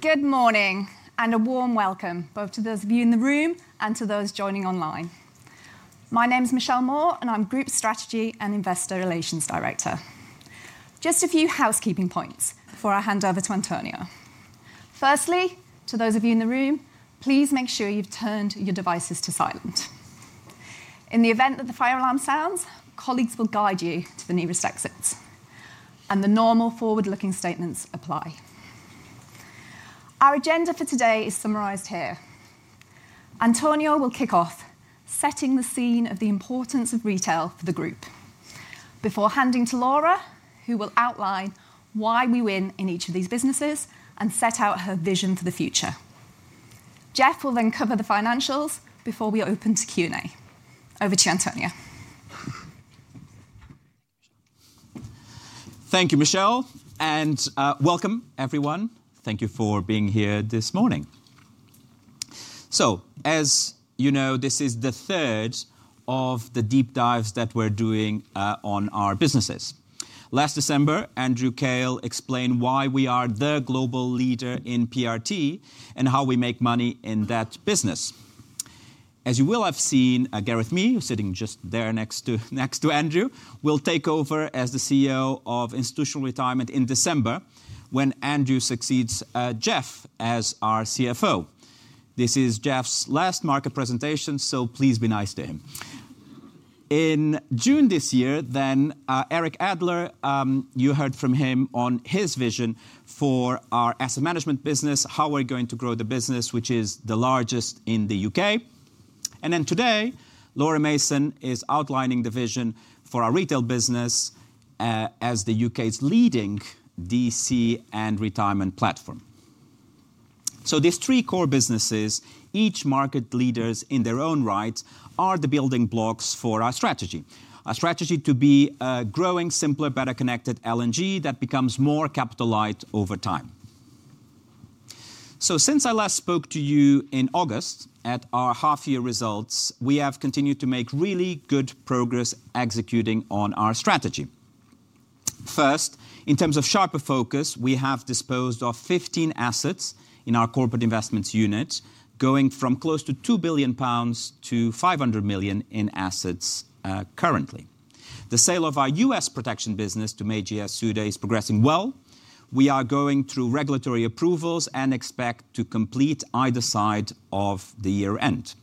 Good morning and a warm welcome both to those of you in the room and to those joining online. My name is Michelle Moore and I'm Group Strategy and Investor Relations Director. Just a few housekeeping points before I hand over to António. Firstly, to those of you in the room, please make sure you've turned your devices to silent. In the event that the fire alarm sounds, colleagues will guide you to the nearest exits, and the normal forward-looking statements apply. Our agenda for today is summarized here. António will kick off setting the scene of the importance of retail for the group before handing to Laura, who will outline why we win in each of these businesses and set out her vision for the future. Jeff will then cover the financials before we open to Q&A. Over to you, António. Thank you, Michelle. And welcome, everyone. Thank you for being here this morning. As you know, this is the third of the deep dives that we're doing on our businesses. Last December, Andrew Kail explained why we are the global leader in pension risk transfer and how we make money in that business. As you will have seen, Gareth Mee, who's sitting just there next to Andrew, will take over as the CEO of Institutional Retirement in December when Andrew succeeds Jeff as our CFO. This is Jeff's last market presentation, so please be nice to him. In June this year, Eric Adler, you heard from him on his vision for our asset management business, how we're going to grow the business, which is the largest in the UK. Today, Laura Mason is outlining the vision for our retail business as the UK's leading defined contribution and retirement platform. These three core businesses, each market leaders in their own right, are the building blocks for our strategy, a strategy to be a growing, simpler, better connected Legal & General Group that becomes more capitalized over time. Since I last spoke to you in August at our half-year results, we have continued to make really good progress executing on our strategy. First, in terms of sharper focus, we have disposed of 15 assets in our corporate investments unit, going from close to £2 billion to £500 million in assets currently. The sale of our U.S. protection business to Magaya Sudhe is progressing well. We are going through regulatory approvals and expect to complete either side of the year-end.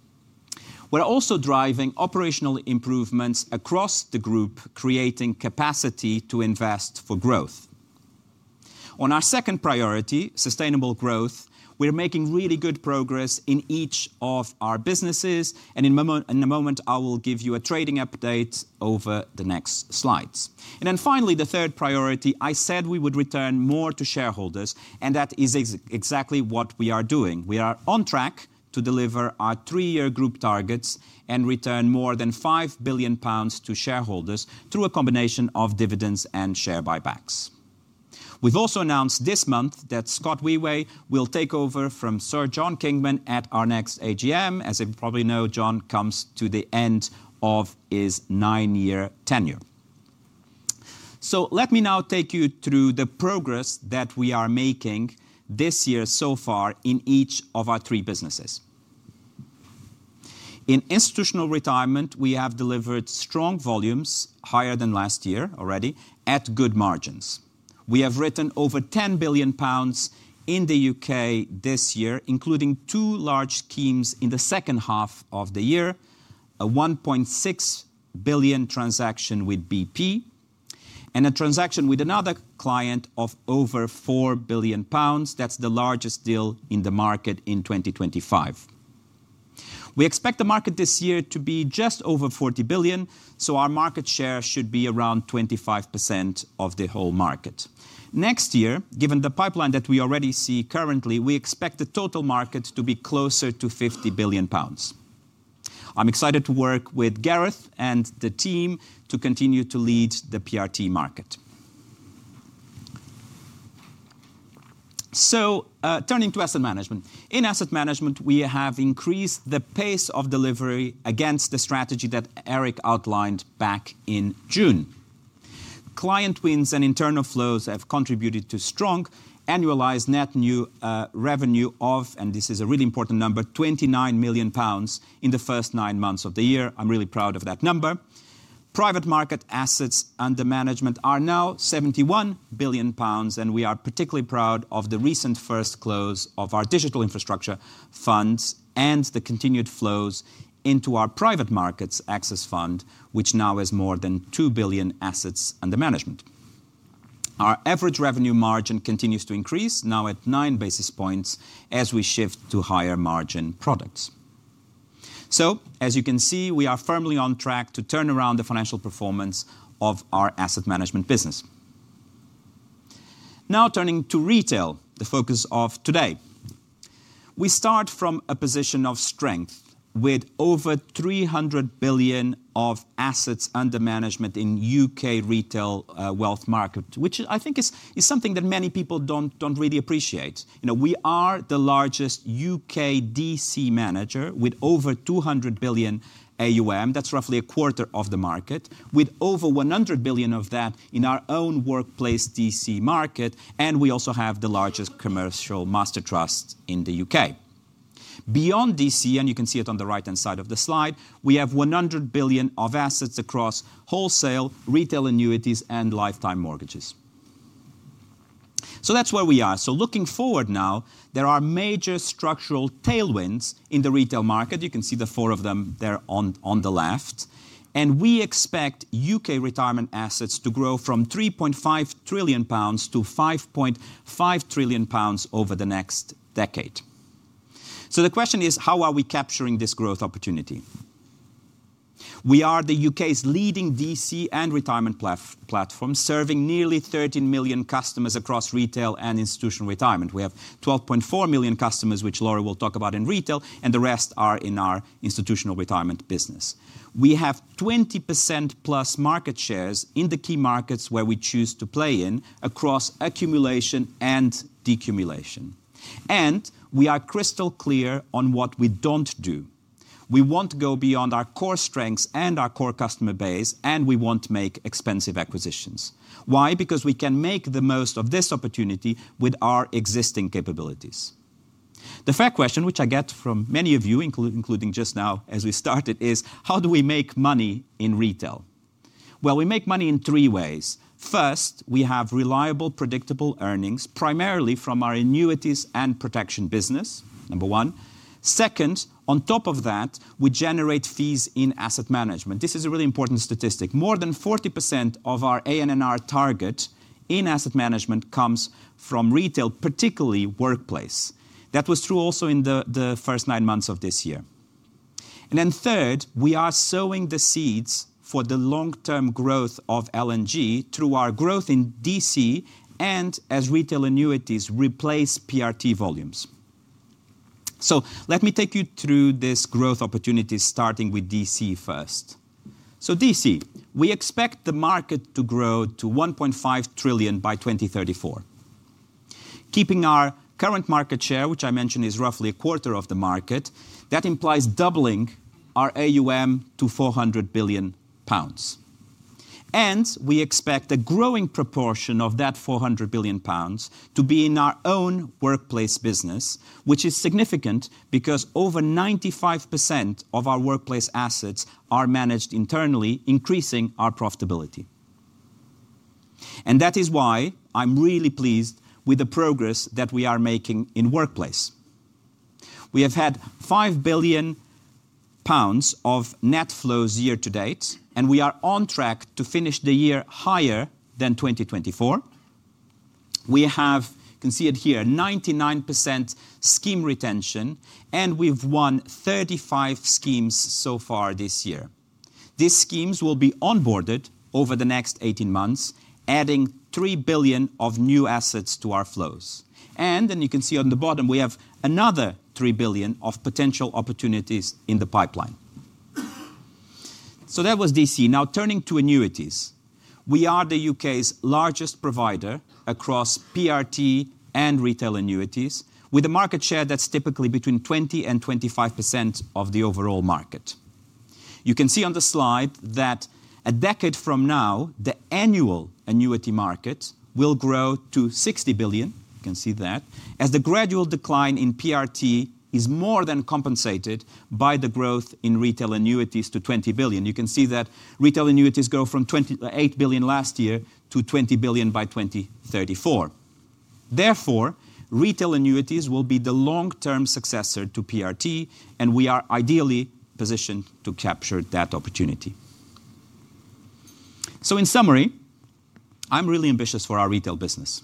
We're also driving operational improvements across the group, creating capacity to invest for growth. On our second priority, sustainable growth, we're making really good progress in each of our businesses, and in a moment, I will give you a trading update over the next slides. Finally, the third priority, I said we would return more to shareholders, and that is exactly what we are doing. We are on track to deliver our three-year group targets and return more than £5 billion to shareholders through a combination of dividends and share buybacks. We've also announced this month that Scott Weiwei will take over from Sir John Kingman at our next AGM. As you probably know, John comes to the end of his nine-year tenure. Let me now take you through the progress that we are making this year so far in each of our three businesses. In Institutional Retirement, we have delivered strong volumes, higher than last year already, at good margins. We have written over £10 billion in the UK this year, including two large schemes in the second half of the year, a £1.6 billion transaction with BP, and a transaction with another client of over £4 billion. That's the largest deal in the market in 2025. We expect the market this year to be just over £40 billion, so our market share should be around 25% of the whole market. Next year, given the pipeline that we already see currently, we expect the total market to be closer to £50 billion. I'm excited to work with Gareth and the team to continue to lead the pension risk transfer market. Turning to asset management, we have increased the pace of delivery against the strategy that Eric outlined back in June. Client wins and internal flows have contributed to strong annualized net new revenue of, and this is a really important number, £29 million in the first nine months of the year. I'm really proud of that number. Private market assets under management are now £71 billion, and we are particularly proud of the recent first close of our digital infrastructure funds and the continued flows into our private markets access fund, which now has more than £2 billion assets under management. Our average revenue margin continues to increase, now at 9 basis points, as we shift to higher margin products. As you can see, we are firmly on track to turn around the financial performance of our asset management business. Now turning to retail, the focus of today. We start from a position of strength with over £300 billion of assets under management in the UK retail wealth market, which I think is something that many people don't really appreciate. We are the largest UK defined contribution manager with over £200 billion AUM. That's roughly a quarter of the market, with over £100 billion of that in our own workplace defined contribution market. We also have the largest commercial master trust in the UK. Beyond defined contribution, and you can see it on the right-hand side of the slide, we have £100 billion of assets across wholesale, retail annuities, and lifetime mortgages. That's where we are. Looking forward now, there are major structural tailwinds in the retail market. You can see the four of them there on the left. We expect UK retirement assets to grow from £3.5 trillion to £5.5 trillion over the next decade. The question is, how are we capturing this growth opportunity? We are the UK's leading DC and retirement platform, serving nearly 13 million customers across retail and institutional retirement. We have 12.4 million customers, which Laura will talk about in retail, and the rest are in our institutional retirement business. We have 20%+ market shares in the key markets where we choose to play in across accumulation and decumulation. We are crystal clear on what we don't do. We won't go beyond our core strengths and our core customer base, and we won't make expensive acquisitions. Why? Because we can make the most of this opportunity with our existing capabilities. The fair question, which I get from many of you, including just now as we started, is, how do we make money in retail? We make money in three ways. First, we have reliable, predictable earnings, primarily from our annuities and protection business, number one. Second, on top of that, we generate fees in asset management. This is a really important statistic. More than 40% of our ANNR target in asset management comes from retail, particularly workplace. That was true also in the first nine months of this year. Third, we are sowing the seeds for the long-term growth of L&G through our growth in DC and as retail annuities replace PRT volumes. Let me take you through this growth opportunity, starting with DC first. DC, we expect the market to grow to £1.5 trillion by 2034, keeping our current market share, which I mentioned is roughly a quarter of the market. That implies doubling our AUM to £400 billion. We expect a growing proportion of that £400 billion to be in our own workplace business, which is significant because over 95% of our workplace assets are managed internally, increasing our profitability. That is why I'm really pleased with the progress that we are making in workplace. We have had £5 billion of net flows year to date, and we are on track to finish the year higher than 2024. You can see it here, 99% scheme retention, and we've won 35 schemes so far this year. These schemes will be onboarded over the next 18 months, adding £3 billion of new assets to our flows. You can see on the bottom, we have another £3 billion of potential opportunities in the pipeline. That was DC. Now turning to annuities, we are the UK's largest provider across PRT and retail annuities, with a market share that's typically between 20% and 25% of the overall market. You can see on the slide that a decade from now, the annual annuity market will grow to £60 billion. You can see that as the gradual decline in pension risk transfer is more than compensated by the growth in retail annuities to £20 billion. You can see that retail annuities grow from £28 billion last year to £20 billion by 2034. Therefore, retail annuities will be the long-term successor to pension risk transfer, and we are ideally positioned to capture that opportunity. In summary, I'm really ambitious for our retail business.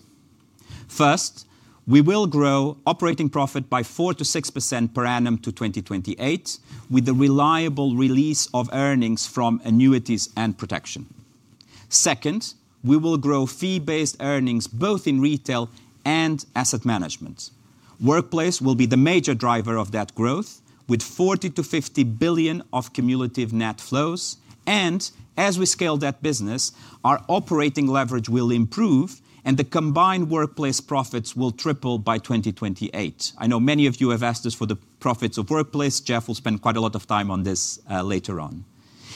First, we will grow operating profit by 4% to 6% per annum to 2028, with a reliable release of earnings from annuities and protection. Second, we will grow fee-based earnings both in retail and asset management. Workplace will be the major driver of that growth, with 40% to 50% billion of cumulative net flows. As we scale that business, our operating leverage will improve, and the combined workplace profits will triple by 2028. I know many of you have asked us for the profits of workplace. Jeff will spend quite a lot of time on this later on.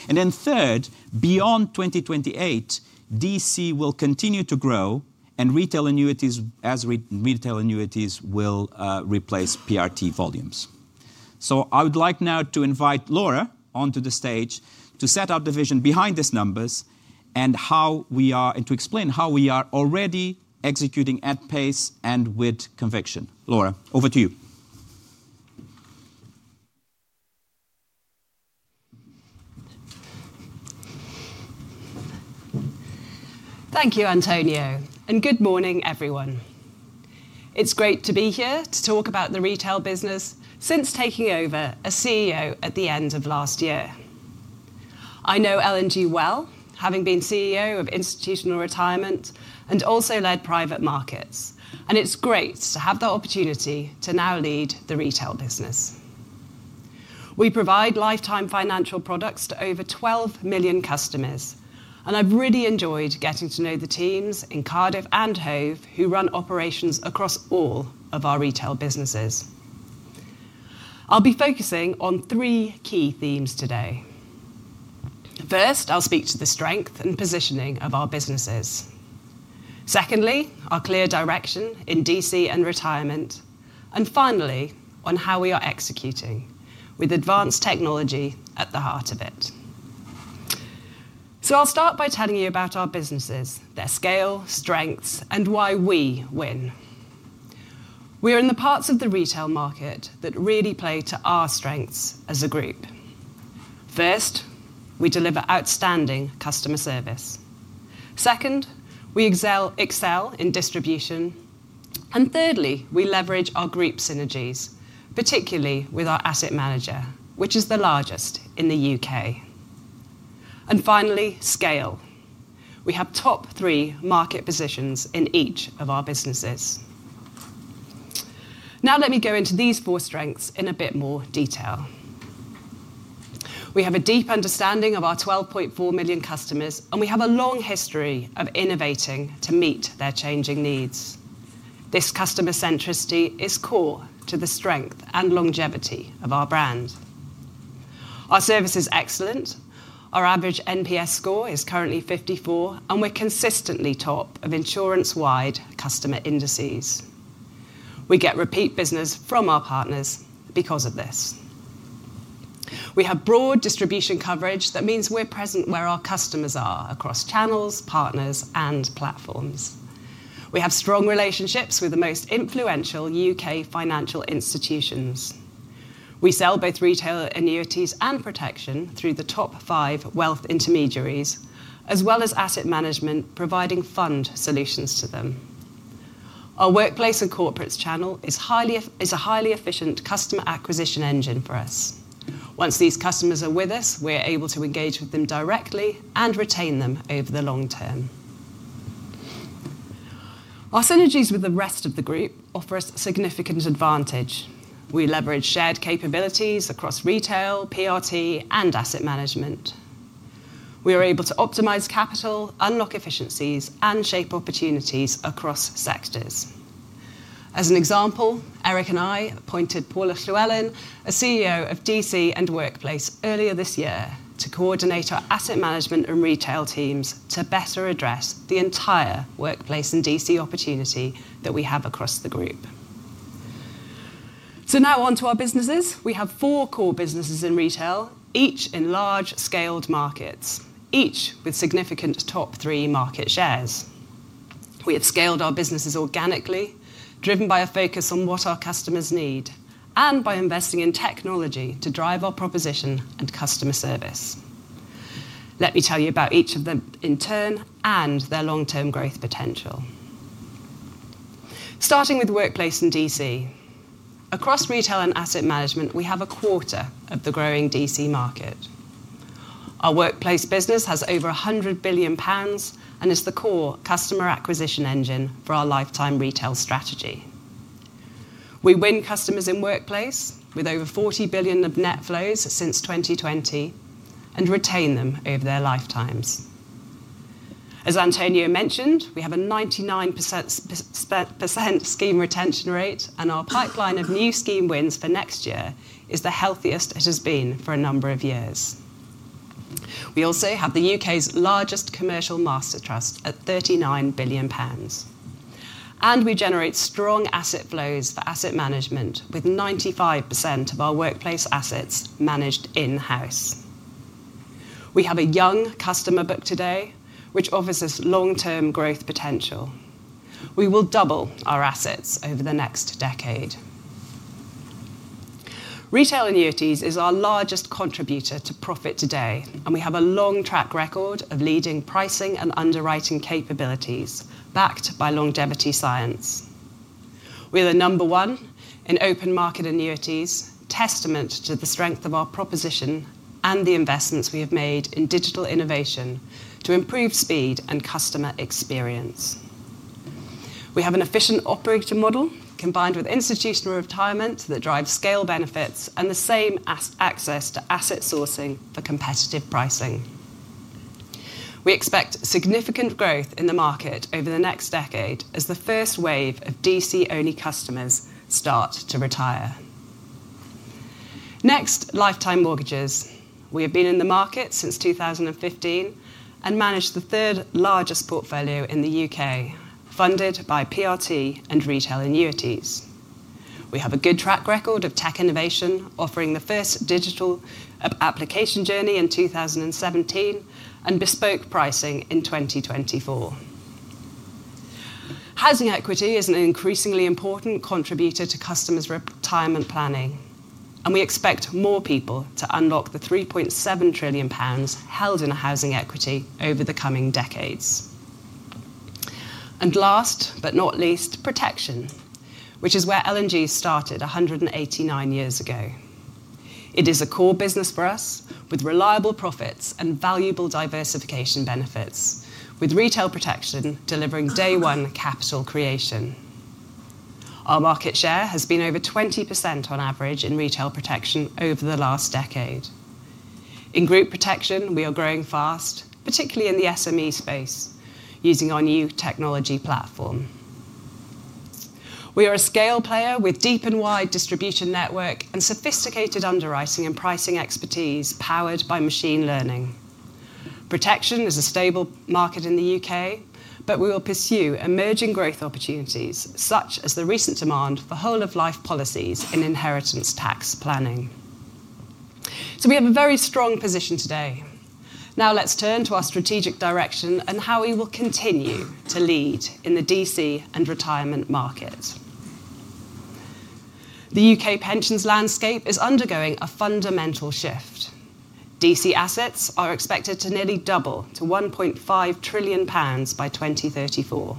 Third, beyond 2028, defined contribution will continue to grow, and retail annuities will replace pension risk transfer volumes. I would like now to invite Laura onto the stage to set up the vision behind these numbers and to explain how we are already executing at pace and with conviction. Laura, over to you. Thank you, António, and good morning, everyone. It's great to be here to talk about the retail business since taking over as CEO at the end of last year. I know Legal & General Group well, having been CEO of Institutional Retirement and also led private markets, and it's great to have the opportunity to now lead the retail business. We provide lifetime financial products to over 12 million customers, and I've really enjoyed getting to know the teams in Cardiff and Hove who run operations across all of our retail businesses. I'll be focusing on three key themes today. First, I'll speak to the strength and positioning of our businesses. Secondly, our clear direction in defined contribution and retirement, and finally, on how we are executing with advanced technology at the heart of it. I'll start by telling you about our businesses, their scale, strengths, and why we win. We are in the parts of the retail market that really play to our strengths as a group. First, we deliver outstanding customer service. Second, we excel in distribution. Thirdly, we leverage our group synergies, particularly with our asset manager, which is the largest in the UK. Finally, scale. We have top three market positions in each of our businesses. Now, let me go into these four strengths in a bit more detail. We have a deep understanding of our 12.4 million customers, and we have a long history of innovating to meet their changing needs. This customer centricity is core to the strength and longevity of our brand. Our service is excellent. Our average NPS score is currently 54, and we're consistently top of insurance-wide customer indices. We get repeat business from our partners because of this. We have broad distribution coverage that means we're present where our customers are across channels, partners, and platforms. We have strong relationships with the most influential UK financial institutions. We sell both retail annuities and protection through the top five wealth intermediaries, as well as asset management, providing fund solutions to them. Our workplace and corporate channel is a highly efficient customer acquisition engine for us. Once these customers are with us, we're able to engage with them directly and retain them over the long term. Our synergies with the rest of the group offer us a significant advantage. We leverage shared capabilities across retail, pension risk transfer, and asset management. We are able to optimize capital, unlock efficiencies, and shape opportunities across sectors. As an example, Eric and I appointed Paula Schluellen, CEO of DC and Workplace, earlier this year to coordinate our asset management and retail teams to better address the entire workplace and DC opportunity that we have across the group. Now on to our businesses. We have four core businesses in retail, each in large scaled markets, each with significant top three market shares. We have scaled our businesses organically, driven by a focus on what our customers need and by investing in technology to drive our proposition and customer service. Let me tell you about each of them in turn and their long-term growth potential. Starting with workplace in DC. Across retail and asset management, we have a quarter of the growing DC market. Our workplace business has over £100 billion and is the core customer acquisition engine for our lifetime retail strategy. We win customers in workplace with over £40 billion of net flows since 2020 and retain them over their lifetimes. As António Simões mentioned, we have a 99% scheme retention rate, and our pipeline of new scheme wins for next year is the healthiest it has been for a number of years. We also have the UK's largest commercial master trust at £39 billion. We generate strong asset flows for asset management, with 95% of our workplace assets managed in-house. We have a young customer book today, which offers us long-term growth potential. We will double our assets over the next decade. Retail annuities is our largest contributor to profit today, and we have a long track record of leading pricing and underwriting capabilities backed by longevity science. We are number one in open market annuities, a testament to the strength of our proposition and the investments we have made in digital innovation to improve speed and customer experience. We have an efficient operating model combined with institutional retirement that drives scale benefits and the same access to asset sourcing for competitive pricing. We expect significant growth in the market over the next decade as the first wave of DC-only customers start to retire. Next, lifetime mortgages. We have been in the market since 2015 and manage the third largest portfolio in the UK, funded by pension risk transfer and retail annuities. We have a good track record of tech innovation, offering the first digital application journey in 2017 and bespoke pricing in 2024. Housing equity is an increasingly important contributor to customers' retirement planning, and we expect more people to unlock the £3.7 trillion held in housing equity over the coming decades. Last but not least, protection, which is where Legal & General Group started 189 years ago, is a core business for us with reliable profits and valuable diversification benefits, with retail protection delivering day-one capital creation. Our market share has been over 20% on average in retail protection over the last decade. In group protection, we are growing fast, particularly in the SME space, using our new technology platform. We are a scale player with a deep and wide distribution network and sophisticated underwriting and pricing expertise powered by machine learning. Protection is a stable market in the UK, but we will pursue emerging growth opportunities, such as the recent demand for whole-of-life policies in inheritance tax planning. We have a very strong position today. Now let's turn to our strategic direction and how we will continue to lead in the defined contribution (DC) and retirement market. The UK pensions landscape is undergoing a fundamental shift. DC assets are expected to nearly double to £1.5 trillion by 2034,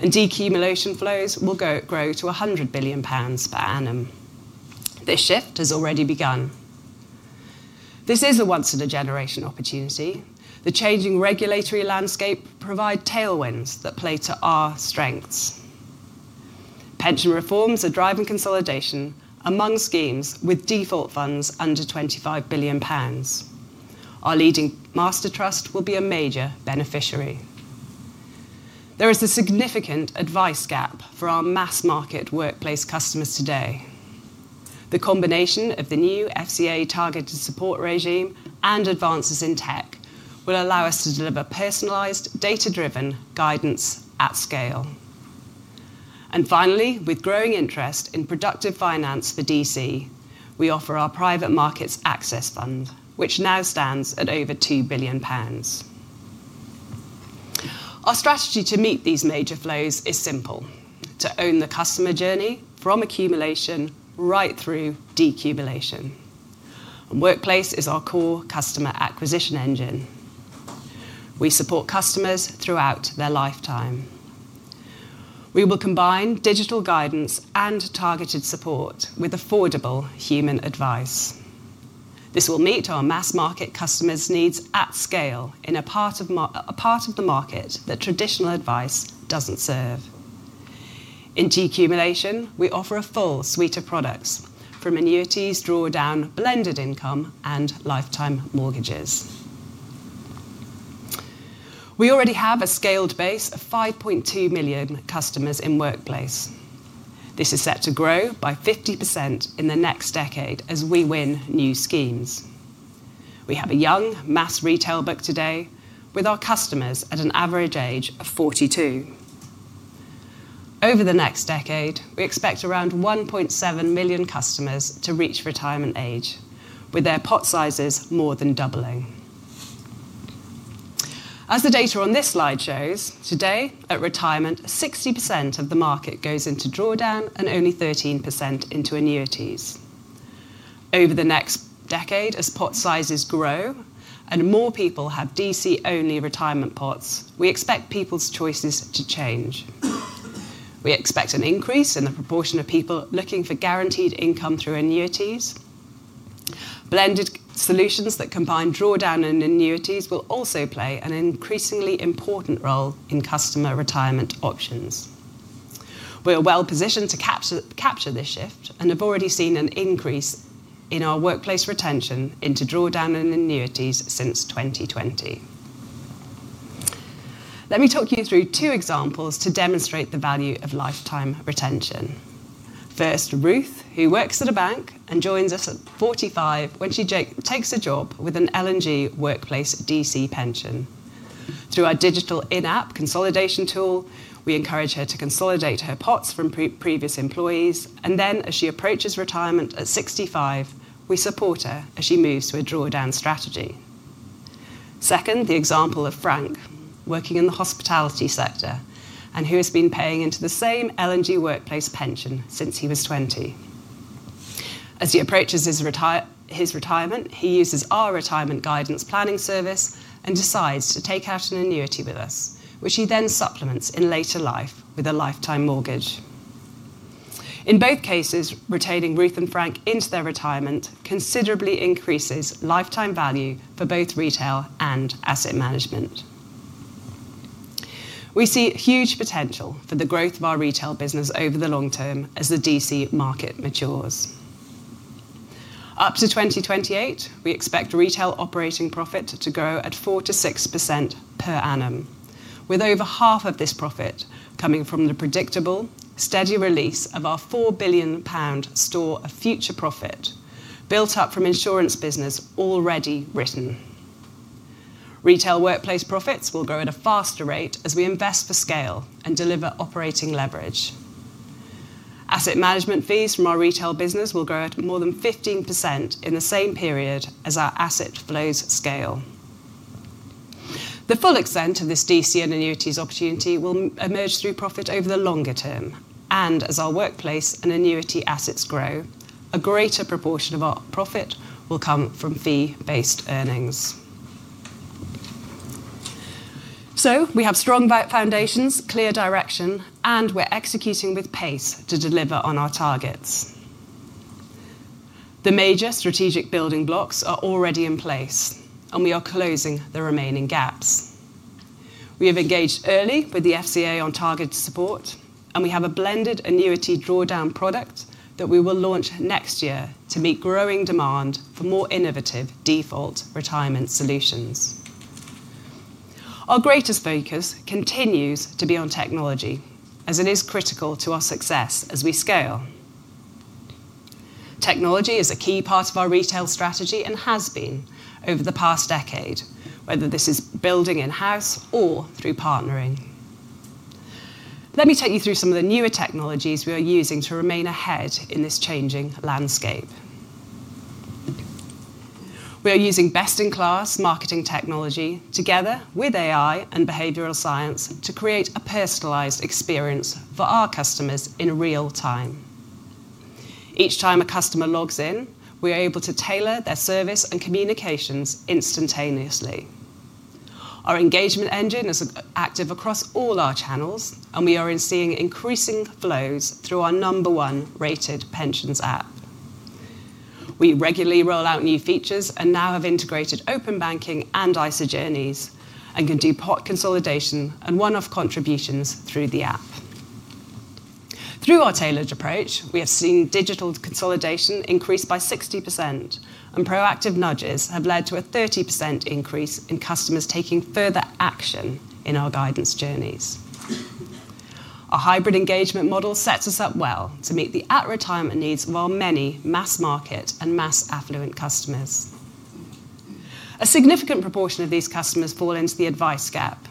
and decumulation flows will grow to £100 billion per annum. This shift has already begun. This is a once-in-a-generation opportunity. The changing regulatory landscape provides tailwinds that play to our strengths. Pension reforms are driving consolidation among schemes with default funds under £25 billion. Our leading master trust will be a major beneficiary. There is a significant advice gap for our mass-market workplace customers today. The combination of the new FCA targeted support regime and advances in tech will allow us to deliver personalized, data-driven guidance at scale. Finally, with growing interest in productive finance for DC, we offer our private markets access fund, which now stands at over £2 billion. Our strategy to meet these major flows is simple: to own the customer journey from accumulation right through decumulation. Workplace is our core customer acquisition engine. We support customers throughout their lifetime. We will combine digital guidance and targeted support with affordable human advice. This will meet our mass-market customers' needs at scale in a part of the market that traditional advice doesn't serve. In decumulation, we offer a full suite of products from annuities, drawdown, blended income, and lifetime mortgages. We already have a scaled base of 5.2 million customers in workplace. This is set to grow by 50% in the next decade as we win new schemes. We have a young mass retail book today with our customers at an average age of 42. Over the next decade, we expect around 1.7 million customers to reach retirement age, with their pot sizes more than doubling. As the data on this slide shows, today at retirement, 60% of the market goes into drawdown and only 13% into annuities. Over the next decade, as pot sizes grow and more people have DC-only retirement pots, we expect people's choices to change. We expect an increase in the proportion of people looking for guaranteed income through annuities. Blended solutions that combine drawdown and annuities will also play an increasingly important role in customer retirement options. We are well positioned to capture this shift and have already seen an increase in our workplace retention into drawdown and annuities since 2020. Let me talk you through two examples to demonstrate the value of lifetime retention. First, Ruth, who works at a bank and joins us at 45 when she takes a job with an L&G workplace DC pension. Through our digital in-app consolidation tool, we encourage her to consolidate her pots from previous employers. As she approaches retirement at 65, we support her as she moves to a drawdown strategy. Second, the example of Frank, working in the hospitality sector and who has been paying into the same L&G workplace pension since he was 20. As he approaches his retirement, he uses our retirement guidance planning service and decides to take out an annuity with us, which he then supplements in later life with a lifetime mortgage. In both cases, retaining Ruth and Frank into their retirement considerably increases lifetime value for both retail and asset management. We see huge potential for the growth of our retail business over the long term as the DC market matures. Up to 2028, we expect retail operating profit to grow at 4% to 6% per annum, with over half of this profit coming from the predictable, steady release of our £4 billion store of future profit built up from insurance business already written. Retail workplace profits will grow at a faster rate as we invest for scale and deliver operating leverage. Asset management fees from our retail business will grow at more than 15% in the same period as our asset flows scale. The full extent of this DC and annuities opportunity will emerge through profit over the longer term. As our workplace and annuity assets grow, a greater proportion of our profit will come from fee-based earnings. We have strong foundations, clear direction, and we're executing with pace to deliver on our targets. The major strategic building blocks are already in place, and we are closing the remaining gaps. We have engaged early with the FCA on targeted support, and we have a blended annuity drawdown product that we will launch next year to meet growing demand for more innovative default retirement solutions. Our greatest focus continues to be on technology, as it is critical to our success as we scale. Technology is a key part of our retail strategy and has been over the past decade, whether this is building in-house or through partnering. Let me take you through some of the newer technologies we are using to remain ahead in this changing landscape. We are using best-in-class marketing technology together with AI and behavioral science to create a personalized experience for our customers in real time. Each time a customer logs in, we are able to tailor their service and communications instantaneously. Our engagement engine is active across all our channels, and we are seeing increasing flows through our number one rated pensions app. We regularly roll out new features and now have integrated open banking and ISA journeys and can do pot consolidation and one-off contributions through the app. Through our tailored approach, we have seen digital consolidation increase by 60%, and proactive nudges have led to a 30% increase in customers taking further action in our guidance journeys. Our hybrid engagement model sets us up well to meet the at-retirement needs of our many mass market and mass affluent customers. A significant proportion of these customers fall into the advice gap,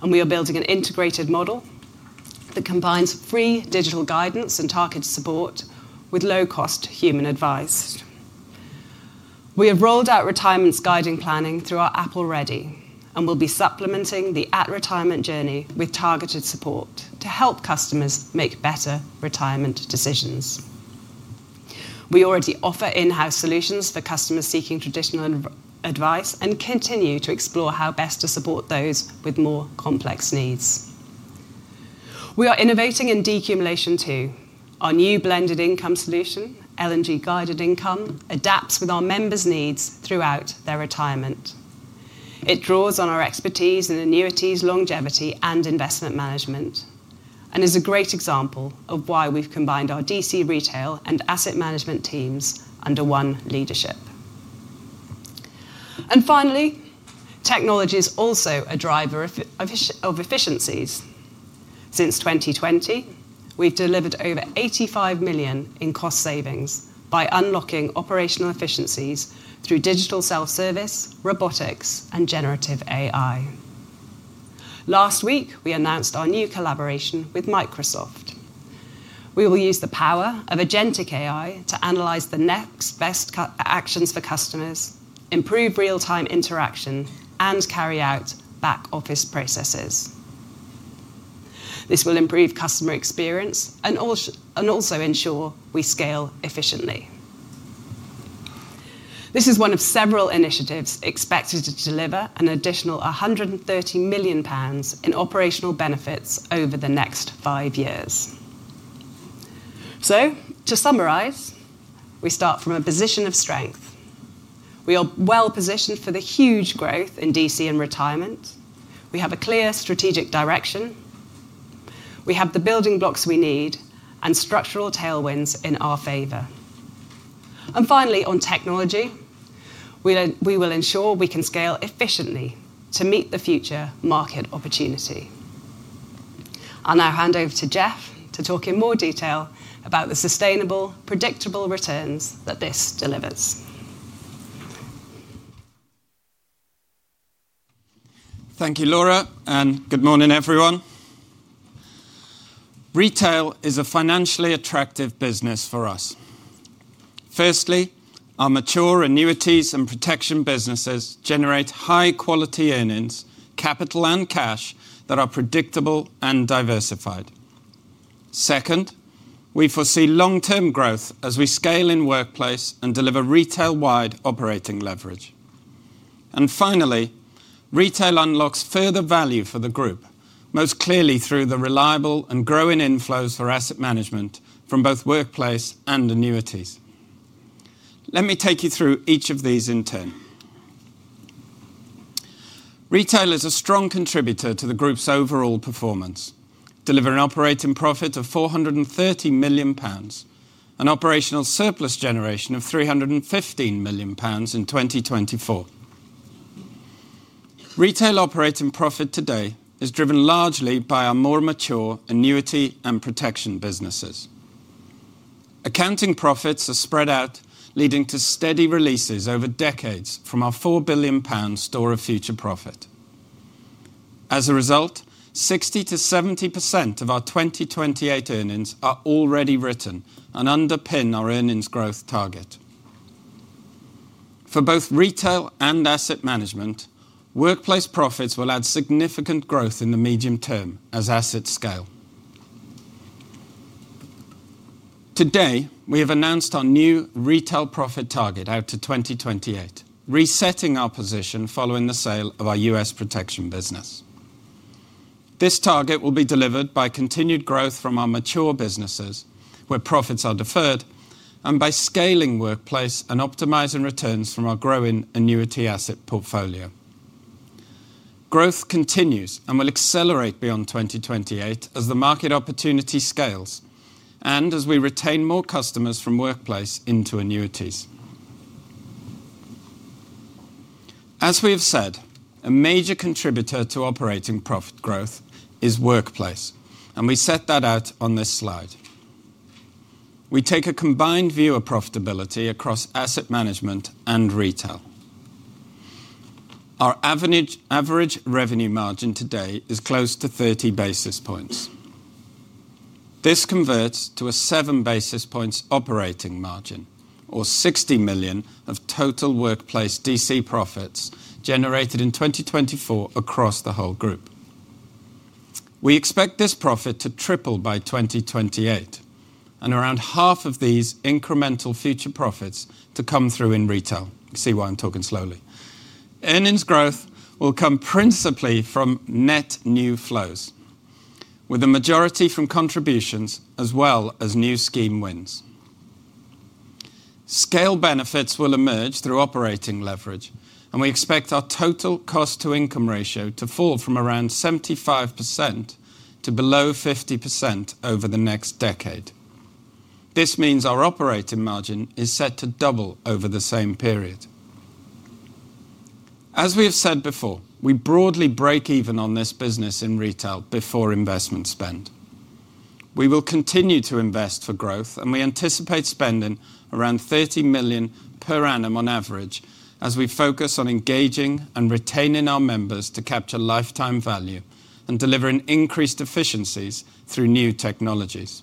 and we are building an integrated model that combines free digital guidance and targeted support with low-cost human advice. We have rolled out retirement guiding planning through our Apple Ready and will be supplementing the at-retirement journey with targeted support to help customers make better retirement decisions. We already offer in-house solutions for customers seeking traditional advice and continue to explore how best to support those with more complex needs. We are innovating in decumulation too. Our new blended income solution, L&G Guided Income, adapts with our members' needs throughout their retirement. It draws on our expertise in annuities, longevity, and investment management and is a great example of why we've combined our DC retail and asset management teams under one leadership. Technology is also a driver of efficiencies. Since 2020, we've delivered over £85 million in cost savings by unlocking operational efficiencies through digital self-service, robotics, and generative AI. Last week, we announced our new collaboration with Microsoft. We will use the power of Agentic AI to analyze the next best actions for customers, improve real-time interaction, and carry out back-office processes. This will improve customer experience and also ensure we scale efficiently. This is one of several initiatives expected to deliver an additional £130 million in operational benefits over the next five years. To summarize, we start from a position of strength. We are well positioned for the huge growth in DC and retirement. We have a clear strategic direction. We have the building blocks we need and structural tailwinds in our favor. On technology, we will ensure we can scale efficiently to meet the future market opportunity. I'll now hand over to Jeff to talk in more detail about the sustainable, predictable returns that this delivers. Thank you, Laura, and good morning, everyone. Retail is a financially attractive business for us. Firstly, our mature annuities and protection businesses generate high-quality earnings, capital, and cash that are predictable and diversified. Second, we foresee long-term growth as we scale in workplace and deliver retail-wide operating leverage. Finally, retail unlocks further value for the group, most clearly through the reliable and growing inflows for asset management from both workplace and annuities. Let me take you through each of these in turn. Retail is a strong contributor to the group's overall performance, delivering operating profit of £430 million and operational surplus generation of £315 million in 2024. Retail operating profit today is driven largely by our more mature annuity and protection businesses. Accounting profits are spread out, leading to steady releases over decades from our £4 billion store of future profit. As a result, 60% to 70% of our 2028 earnings are already written and underpin our earnings growth target. For both retail and asset management, workplace profits will add significant growth in the medium term as assets scale. Today, we have announced our new retail profit target out to 2028, resetting our position following the sale of our U.S. protection business. This target will be delivered by continued growth from our mature businesses, where profits are deferred, and by scaling workplace and optimizing returns from our growing annuity asset portfolio. Growth continues and will accelerate beyond 2028 as the market opportunity scales and as we retain more customers from workplace into annuities. As we have said, a major contributor to operating profit growth is workplace, and we set that out on this slide. We take a combined view of profitability across asset management and retail. Our average revenue margin today is close to 30 basis points. This converts to a 7 basis points operating margin, or £60 million of total workplace DC profits generated in 2024 across the whole group. We expect this profit to triple by 2028 and around half of these incremental future profits to come through in retail. You can see why I'm talking slowly. Earnings growth will come principally from net new flows, with a majority from contributions as well as new scheme wins. Scale benefits will emerge through operating leverage, and we expect our total cost-to-income ratio to fall from around 75% to below 50% over the next decade. This means our operating margin is set to double over the same period. As we have said before, we broadly break even on this business in retail before investment spend. We will continue to invest for growth, and we anticipate spending around £30 million per annum on average as we focus on engaging and retaining our members to capture lifetime value and deliver increased efficiencies through new technologies.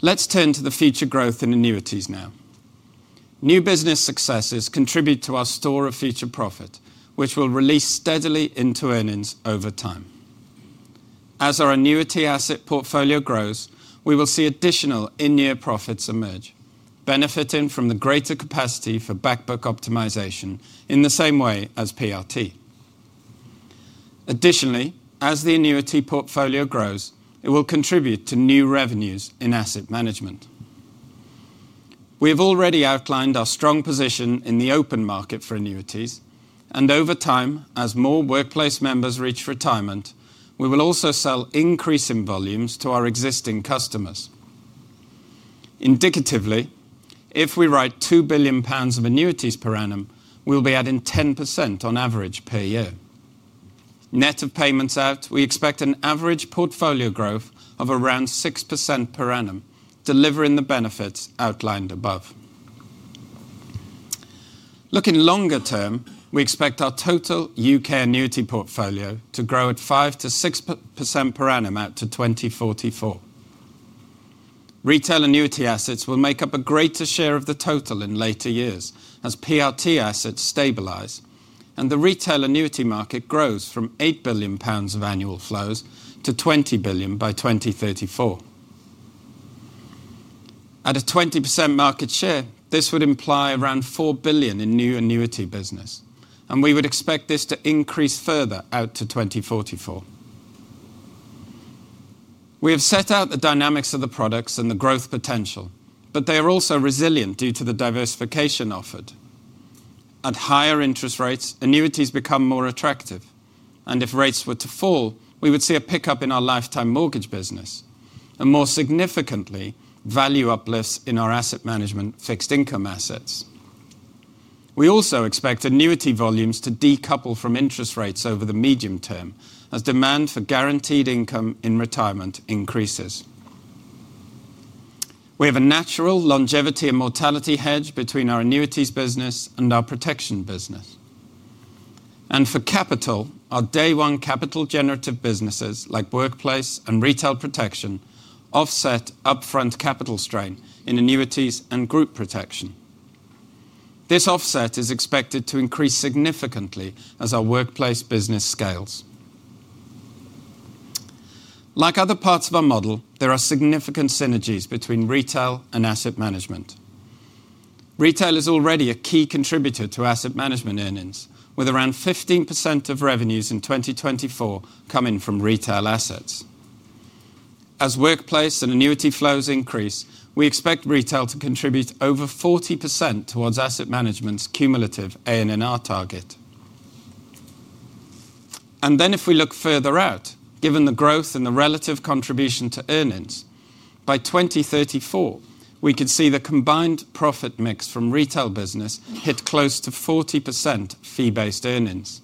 Let's turn to the future growth in annuities now. New business successes contribute to our store of future profit, which will release steadily into earnings over time. As our annuity asset portfolio grows, we will see additional in-year profits emerge, benefiting from the greater capacity for backbook optimization in the same way as pension risk transfer. Additionally, as the annuity portfolio grows, it will contribute to new revenues in asset management. We have already outlined our strong position in the open market for annuities, and over time, as more workplace members reach retirement, we will also sell increasing volumes to our existing customers. Indicatively, if we write £2 billion of annuities per annum, we'll be adding 10% on average per year. Net of payments out, we expect an average portfolio growth of around 6% per annum, delivering the benefits outlined above. Looking longer term, we expect our total UK annuity portfolio to grow at 5% to 6% per annum out to 2044. Retail annuity assets will make up a greater share of the total in later years as pension risk transfer assets stabilize and the retail annuity market grows from £8 billion of annual flows to £20 billion by 2034. At a 20% market share, this would imply around £4 billion in new annuity business, and we would expect this to increase further out to 2044. We have set out the dynamics of the products and the growth potential, but they are also resilient due to the diversification offered. At higher interest rates, annuities become more attractive, and if rates were to fall, we would see a pickup in our lifetime mortgage business and, more significantly, value uplifts in our asset management fixed income assets. We also expect annuity volumes to decouple from interest rates over the medium term as demand for guaranteed income in retirement increases. We have a natural longevity and mortality hedge between our annuities business and our protection business. For capital, our day-one capital-generative businesses like workplace and retail protection offset upfront capital strain in annuities and group protection. This offset is expected to increase significantly as our workplace business scales. Like other parts of our model, there are significant synergies between retail and asset management. Retail is already a key contributor to asset management earnings, with around 15% of revenues in 2024 coming from retail assets. As workplace and annuity flows increase, we expect retail to contribute over 40% towards asset management's cumulative ANNR target. If we look further out, given the growth in the relative contribution to earnings, by 2034, we could see the combined profit mix from retail business hit close to 40% fee-based earnings,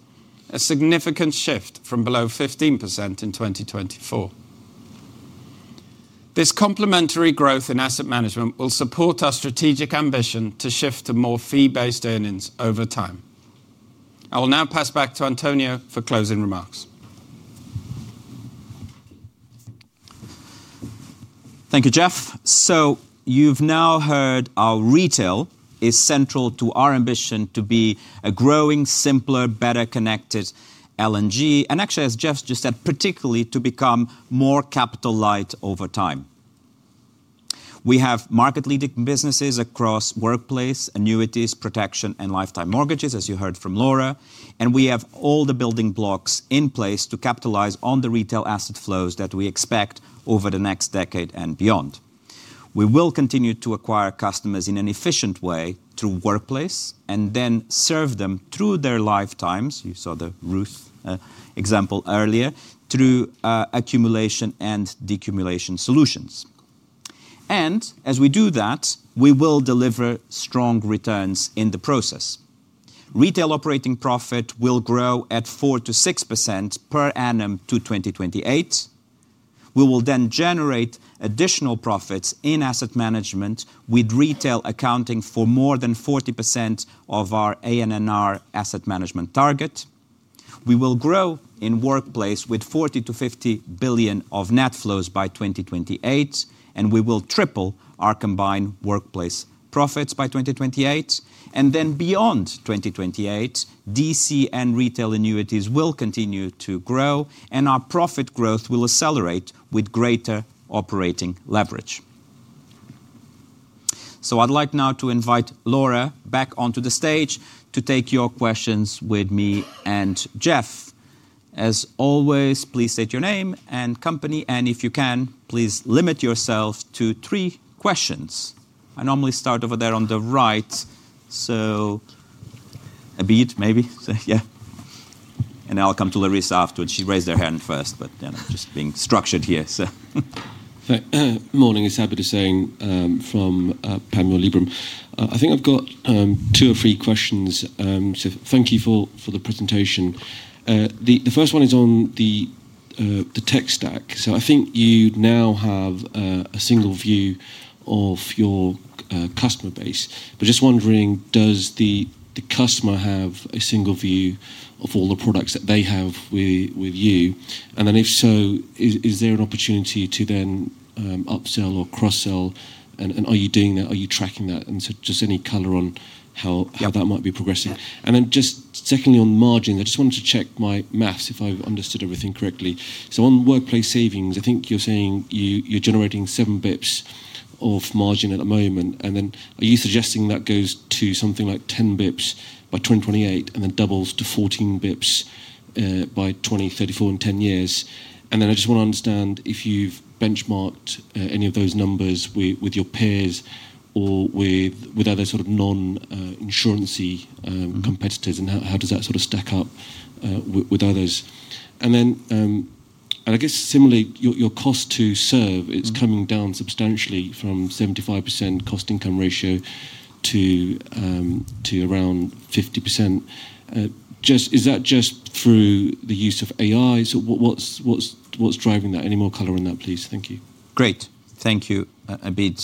a significant shift from below 15% in 2024. This complementary growth in asset management will support our strategic ambition to shift to more fee-based earnings over time. I will now pass back to António Simões for closing remarks. Thank you, Jeff. You've now heard our retail is central to our ambition to be a growing, simpler, better-connected Legal & General Group, and actually, as Jeff just said, particularly to become more capital-light over time. We have market-leading businesses across workplace, annuities, protection, and lifetime mortgages, as you heard from Laura, and we have all the building blocks in place to capitalize on the retail asset flows that we expect over the next decade and beyond. We will continue to acquire customers in an efficient way through workplace and then serve them through their lifetimes. You saw the Ruth example earlier through accumulation and decumulation solutions. As we do that, we will deliver strong returns in the process. Retail operating profit will grow at 4% to 6% per annum to 2028. We will then generate additional profits in asset management, with retail accounting for more than 40% of our asset management target. We will grow in workplace with £40 billion to £50 billion of net flows by 2028, and we will triple our combined workplace profits by 2028. Beyond 2028, defined contribution and retail annuities will continue to grow, and our profit growth will accelerate with greater operating leverage. I'd like now to invite Laura back onto the stage to take your questions with me and Jeff. As always, please state your name and company, and if you can, please limit yourself to three questions. I normally start over there on the right, so Abid, maybe, yeah. I'll come to Larissa afterwards. She raised her hand first, but just being structured here. Morning. It's Abid Hussain from Panmure Liberum. I think I've got two or three questions. Thank you for the presentation. The first one is on the tech stack. I think you now have a single view of your customer base, but just wondering, does the customer have a single view of all the products that they have with you? If so, is there an opportunity to then upsell or cross-sell? Are you doing that? Are you tracking that? Any color on how that might be progressing? Secondly, on the margin, I just wanted to check my maths if I've understood everything correctly. On workplace savings, I think you're saying you're generating 7 bps of margin at the moment. Are you suggesting that goes to something like 10 bps by 2028 and then doubles to 14 bps by 2034 in 10 years? I just want to understand if you've benchmarked any of those numbers with your peers or with other sort of non-insurance competitors, and how does that sort of stack up with others? Similarly, your cost to serve is coming down substantially from 75% cost-to-income ratio to around 50%. Is that just through the use of AI? What's driving that? Any more color on that, please? Thank you. Great. Thank you, Abid.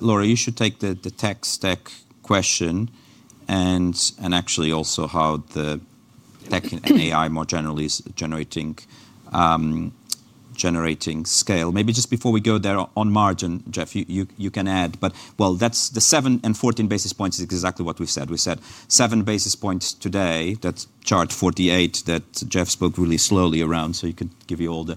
Laura, you should take the tech stack question and actually also how the tech and AI more generally is generating scale. Maybe just before we go there, on margin, Jeff, you can add, but that's the 7 and 14 basis points, exactly what we've said. We said 7 basis points today. That's chart 48 that Jeff spoke really slowly around, so you could give you all the...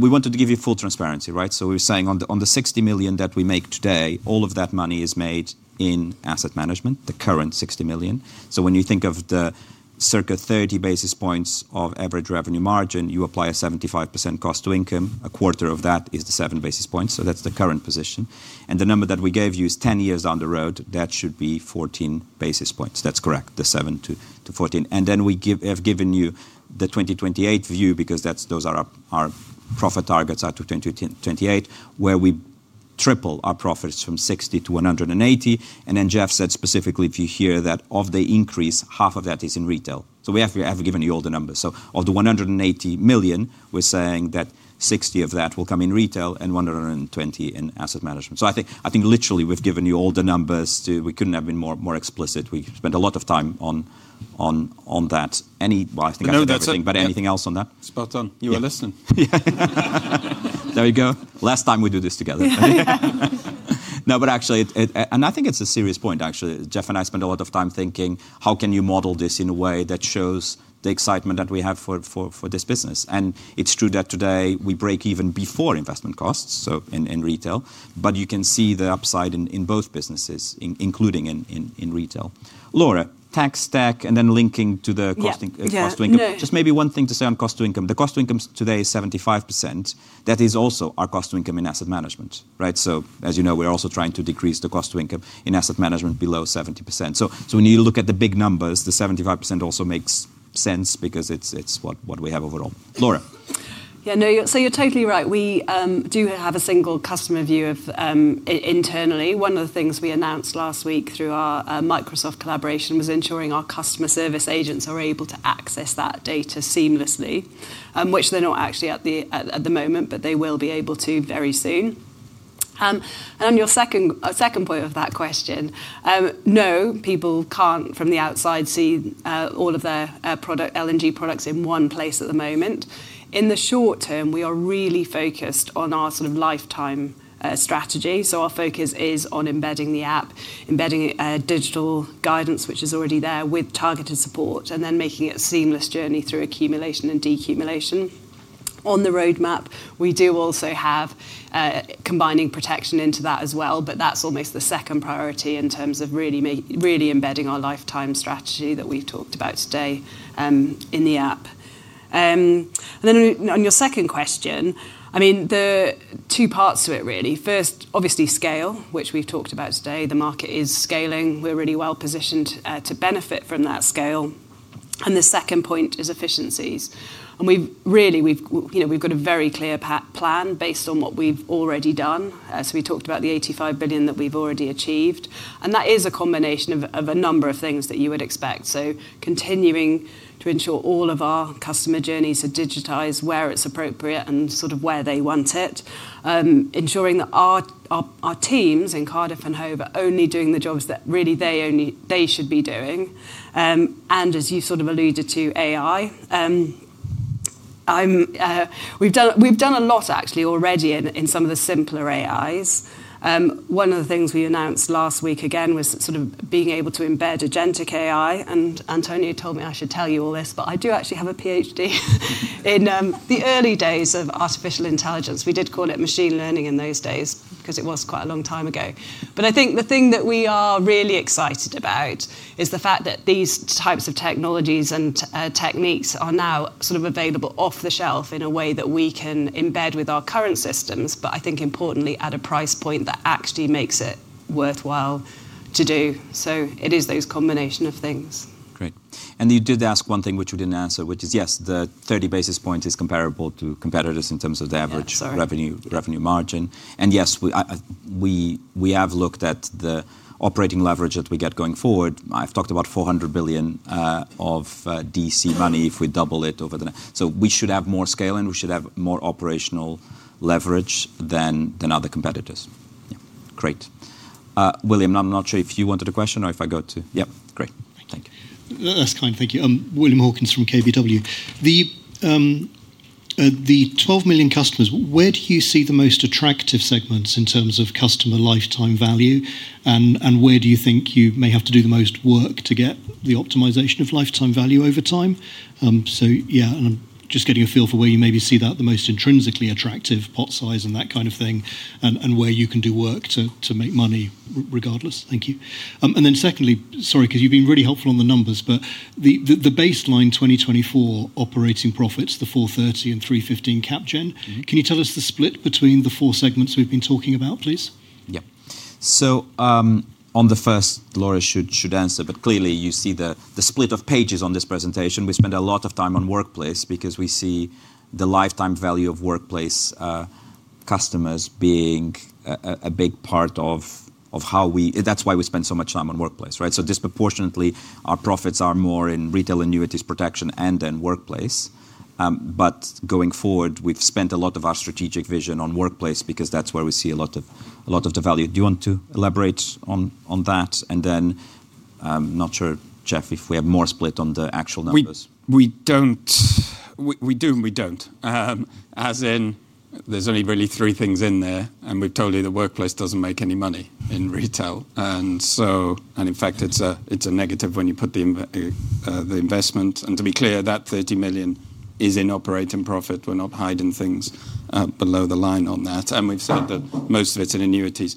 We wanted to give you full transparency, right? We were saying on the £60 million that we make today, all of that money is made in asset management, the current £60 million. When you think of the circa 30 basis points of average revenue margin, you apply a 75% cost-to-income. A quarter of that is the 7 basis points. That's the current position. The number that we gave you is 10 years down the road. That should be 14 basis points. That's correct, the 7 to 14. We have given you the 2028 view because those are our profit targets out to 2028, where we triple our profits from £60 million to £180 million. Jeff said specifically, if you hear that of the increase, half of that is in retail. We have given you all the numbers. Of the £180 million, we're saying that £60 million will come in retail and £120 million in asset management. I think literally we've given you all the numbers. We couldn't have been more explicit. We spent a lot of time on that. Anything else on that? Spot on. You were listening. There we go. Last time we do this together. No, but actually, I think it's a serious point, actually. Jeff and I spent a lot of time thinking, how can you model this in a way that shows the excitement that we have for this business? It's true that today we break even before investment costs, so in retail, but you can see the upside in both businesses, including in retail. Laura, tax stack and then linking to the cost to income. Just maybe one thing to say on cost to income. The cost to income today is 75%. That is also our cost to income in asset management, right? As you know, we're also trying to decrease the cost to income in asset management below 70%. We need to look at the big numbers. The 75% also makes sense because it's what we have overall. Laura. Yeah, no, so you're totally right. We do have a single customer view internally. One of the things we announced last week through our Microsoft collaboration was ensuring our customer service agents are able to access that data seamlessly, which they're not actually at the moment, but they will be able to very soon. On your second point of that question, no, people can't from the outside see all of their Legal & General Group products in one place at the moment. In the short term, we are really focused on our sort of lifetime strategy. Our focus is on embedding the app, embedding digital guidance, which is already there with targeted support, and then making it a seamless journey through accumulation and decumulation. On the roadmap, we do also have combining protection into that as well, but that's almost the second priority in terms of really embedding our lifetime strategy that we've talked about today in the app. On your second question, there are two parts to it really. First, obviously scale, which we've talked about today. The market is scaling. We're really well positioned to benefit from that scale. The second point is efficiencies. We've got a very clear plan based on what we've already done. We talked about the £85 billion that we've already achieved, and that is a combination of a number of things that you would expect. Continuing to ensure all of our customer journeys are digitized where it's appropriate and where they want it, ensuring that our teams in Cardiff and Hove are only doing the jobs that really they should be doing. As you alluded to AI, we've done a lot actually already in some of the simpler AIs. One of the things we announced last week again was being able to embed Agentic AI. António Simões told me I should tell you all this, but I do actually have a PhD in the early days of artificial intelligence. We did call it machine learning in those days because it was quite a long time ago. I think the thing that we are really excited about is the fact that these types of technologies and techniques are now available off the shelf in a way that we can embed with our current systems, but I think importantly at a price point that actually makes it worthwhile to do. It is those combination of things. Great. You did ask one thing which we didn't answer, which is yes, the 30 bps is comparable to competitors in terms of the average revenue margin. Yes, we have looked at the operating leverage that we get going forward. I've talked about £400 billion of DC money if we double it over the next. We should have more scale and we should have more operational leverage than other competitors. Yeah, great. William, I'm not sure if you wanted a question or if I got to... Yeah, great. Thank you. That's kind. Thank you. William Hawkins from KBW. The 12 million customers, where do you see the most attractive segments in terms of customer lifetime value? Where do you think you may have to do the most work to get the optimization of lifetime value over time? I'm just getting a feel for where you maybe see the most intrinsically attractive pot size and that kind of thing and where you can do work to make money regardless. Thank you. Secondly, sorry, because you've been really helpful on the numbers, but the baseline 2024 operating profits, the £430 million and £315 million cap gen, can you tell us the split between the four segments we've been talking about, please? Yeah. On the first, Laura should answer, but clearly you see the split of pages on this presentation. We spend a lot of time on workplace because we see the lifetime value of workplace customers being a big part of how we... That's why we spend so much time on workplace, right? Disproportionately, our profits are more in retail annuities, protection, and then workplace. Going forward, we've spent a lot of our strategic vision on workplace because that's where we see a lot of the value. Do you want to elaborate on that? I'm not sure, Jeff, if we have more split on the actual numbers. We do and we don't. As in, there's only really three things in there, and we've told you the workplace doesn't make any money in retail. In fact, it's a negative when you put the investment. To be clear, that £30 million is in operating profit. We're not hiding things below the line on that. We've said that most of it's in annuities.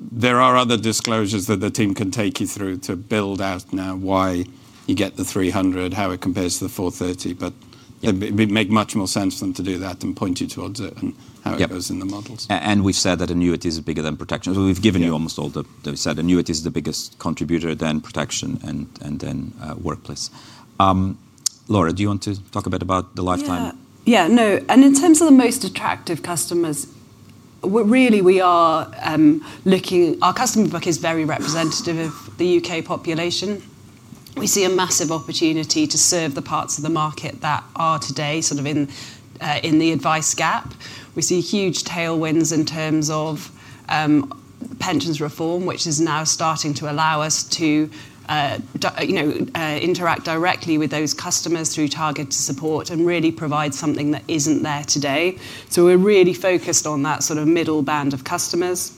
There are other disclosures that the team can take you through to build out now why you get the £300 million, how it compares to the £430 million. It would make much more sense for them to do that and point you towards it and how it goes in the models. We've said that annuities are bigger than protection. We've given you almost all the... We've said annuities are the biggest contributor, then protection, and then workplace. Laura, do you want to talk a bit about the lifetime? No. In terms of the most attractive customers, really, we are looking... Our customer book is very representative of the UK population. We see a massive opportunity to serve the parts of the market that are today sort of in the advice gap. We see huge tailwinds in terms of pensions reform, which is now starting to allow us to interact directly with those customers through targeted support and really provide something that isn't there today. We're really focused on that sort of middle band of customers.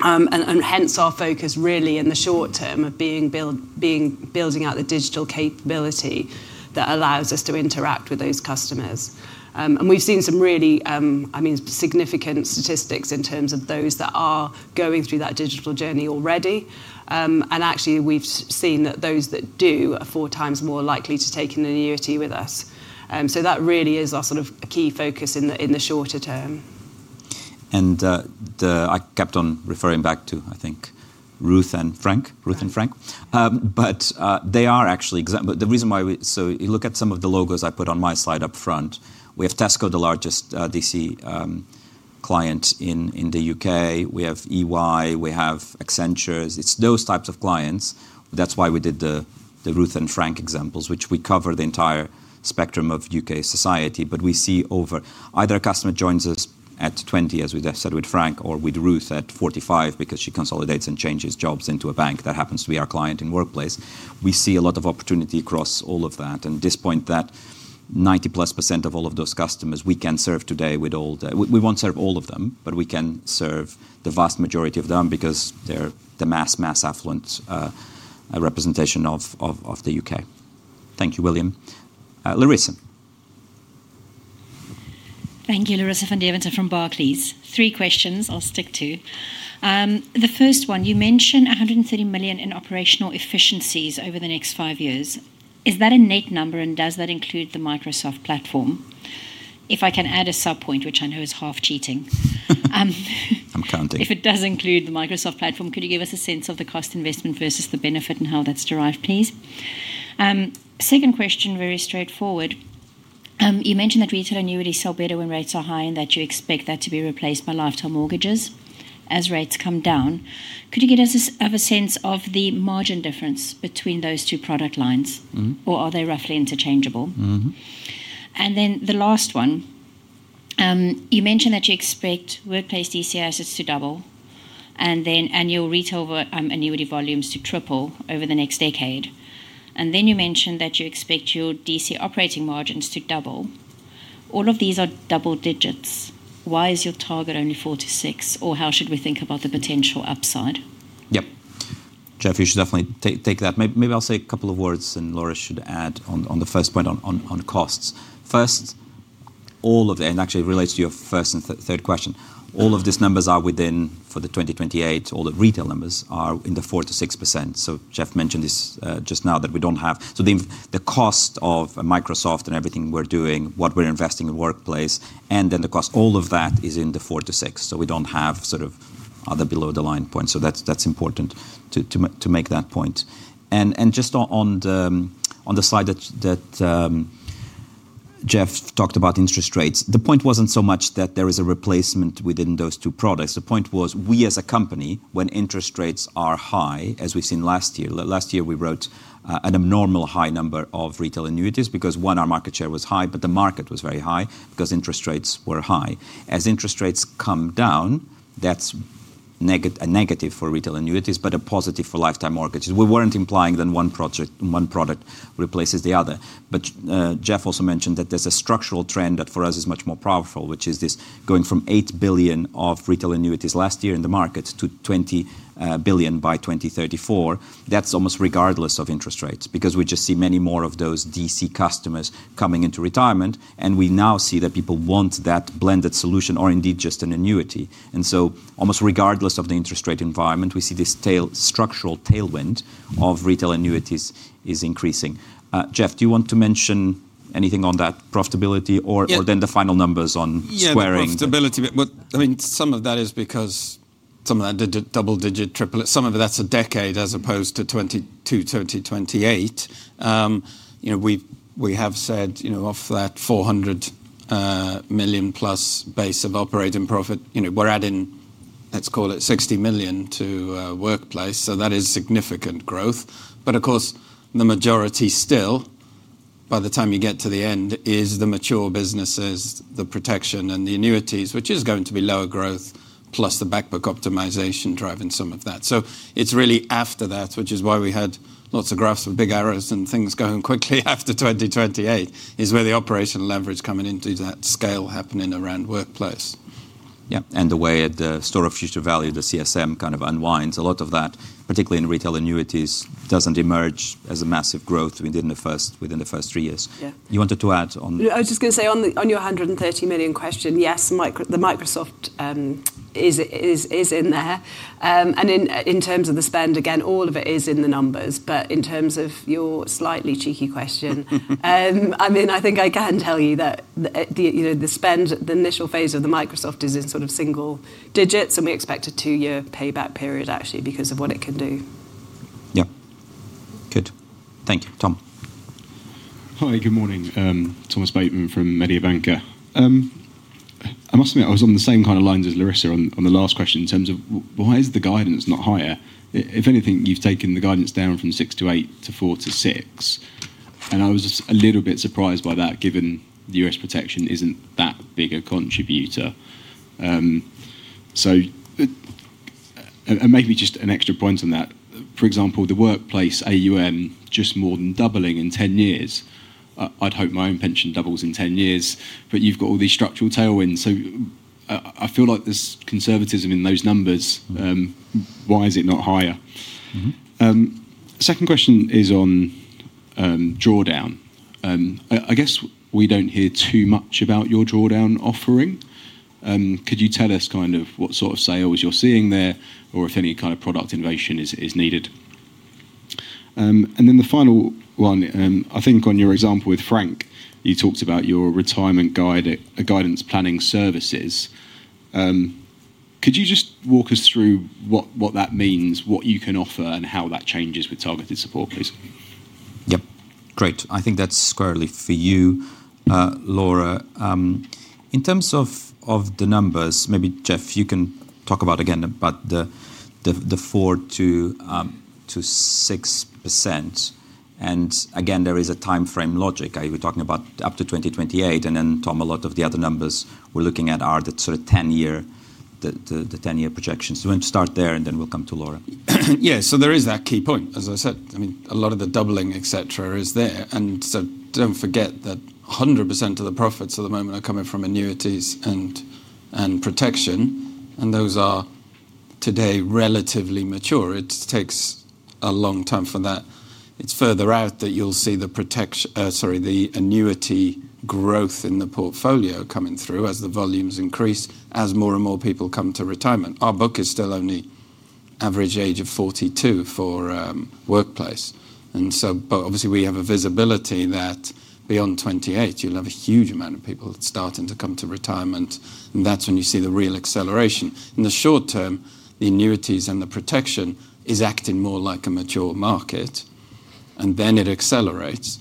Hence, our focus really in the short term is building out the digital capability that allows us to interact with those customers. We've seen some really, I mean, significant statistics in terms of those that are going through that digital journey already. Actually, we've seen that those that do are four times more likely to take an annuity with us. That really is our sort of key focus in the shorter term. I kept on referring back to, I think, Ruth and Frank, Ruth and Frank. They are actually the reason why we... You look at some of the logos I put on my slide up front. We have Tesco, the largest DC client in the UK. We have EY. We have Accenture. It's those types of clients. That's why we did the Ruth and Frank examples, which cover the entire spectrum of UK society. We see over... Either a customer joins us at 20, as we said with Frank, or with Ruth at 45 because she consolidates and changes jobs into a bank. That happens to be our client in workplace. We see a lot of opportunity across all of that. At this point, 90+% of all of those customers we can serve today with all the... We won't serve all of them, but we can serve the vast majority of them because they're the mass, mass affluent representation of the UK. Thank you, William. Larissa. Thank you, Larissa Van Deventer from Barclays Capital. Three questions I'll stick to. The first one, you mentioned £130 million in operational efficiencies over the next five years. Is that a net number and does that include the Microsoft platform? If I can add a subpoint, which I know is half cheating. I'm counting. If it does include the Microsoft platform, could you give us a sense of the cost investment versus the benefit and how that's derived, please? Second question, very straightforward. You mentioned that retail annuities sell better when rates are high and that you expect that to be replaced by lifetime mortgages as rates come down. Could you give us a sense of the margin difference between those two product lines or are they roughly interchangeable? You mentioned that you expect workplace DC assets to double and then annual retail annuity volumes to triple over the next decade. You mentioned that you expect your DC operating margins to double. All of these are double digits. Why is your target only 4 to 6 or how should we think about the potential upside? Yep. Jeff, you should definitely take that. Maybe I'll say a couple of words and Laura should add on the first point on costs. First, all of it, and actually it relates to your first and third question, all of these numbers are within for the 2028, all the retail numbers are in the 4 to 6%. Jeff mentioned this just now that we don't have... The cost of Microsoft and everything we're doing, what we're investing in workplace, and then the cost, all of that is in the 4 to 6%. We don't have sort of other below-the-line points. That's important to make that point. Just on the slide that Jeff talked about interest rates, the point wasn't so much that there is a replacement within those two products. The point was we as a company, when interest rates are high, as we've seen last year, last year we wrote an abnormal high number of retail annuities because one, our market share was high, but the market was very high because interest rates were high. As interest rates come down, that's a negative for retail annuities, but a positive for lifetime mortgages. We weren't implying that one product replaces the other. Jeff also mentioned that there's a structural trend that for us is much more powerful, which is this going from £8 billion of retail annuities last year in the market to £20 billion by 2034. That's almost regardless of interest rates because we just see many more of those DC customers coming into retirement. We now see that people want that blended solution or indeed just an annuity. Almost regardless of the interest rate environment, we see this structural tailwind of retail annuities is increasing. Jeff, do you want to mention anything on that profitability or then the final numbers on squaring? Yeah, profitability. I mean, some of that is because some of that double digit, triple, some of that's a decade as opposed to 2022 to 2028. We have said off that £400 million plus base of operating profit, we're adding, let's call it £60 million to workplace. That is significant growth. Of course, the majority still, by the time you get to the end, is the mature businesses, the protection, and the annuities, which is going to be lower growth plus the backbook optimization driving some of that. It's really after that, which is why we had lots of graphs with big arrows and things going quickly after 2028, is where the operational leverage coming into that scale happening around workplace. Yeah, and the way the store of future value, the CSM kind of unwinds, a lot of that, particularly in retail annuities, doesn't emerge as a massive growth within the first three years. You wanted to add on. I was just going to say on your £130 million question, yes, Microsoft is in there. In terms of the spend, all of it is in the numbers. In terms of your slightly cheeky question, I think I can tell you that the spend at the initial phase of Microsoft is in sort of single digits, and we expect a two-year payback period actually because of what it can do. Yeah, good. Thank you, Tom. Hi, good morning. Thomas Bateman from Mediobanca. I must admit I was on the same kind of lines as Larissa on the last question in terms of why is the guidance not higher? If anything, you've taken the guidance down from 6 to 8 to 4 to 6. I was a little bit surprised by that given the U.S. protection isn't that big a contributor. Maybe just an extra point on that. For example, the workplace AUM just more than doubling in 10 years. I'd hope my own pension doubles in 10 years, but you've got all these structural tailwinds. I feel like there's conservatism in those numbers. Why is it not higher? Second question is on drawdown. I guess we don't hear too much about your drawdown offering. Could you tell us kind of what sort of sales you're seeing there or if any kind of product innovation is needed? The final one, I think on your example with Frank, you talked about your retirement guidance planning services. Could you just walk us through what that means, what you can offer, and how that changes with targeted support, please? Great. I think that's squarely for you, Laura. In terms of the numbers, maybe Jeff, you can talk again about the 4% to 6%. There is a timeframe logic. We're talking about up to 2028. Tom, a lot of the other numbers we're looking at are the sort of 10-year projections. Do you want to start there and then we'll come to Laura? Yeah, so there is that key point. As I said, I mean, a lot of the doubling, etc., is there. Don't forget that 100% of the profits at the moment are coming from annuities and protection. Those are today relatively mature. It takes a long time for that. It's further out that you'll see the protection, sorry, the annuity growth in the portfolio coming through as the volumes increase, as more and more people come to retirement. Our book is still only average age of 42 for workplace. Obviously, we have a visibility that beyond 2028, you'll have a huge amount of people starting to come to retirement. That's when you see the real acceleration. In the short term, the annuities and the protection are acting more like a mature market. Then it accelerates.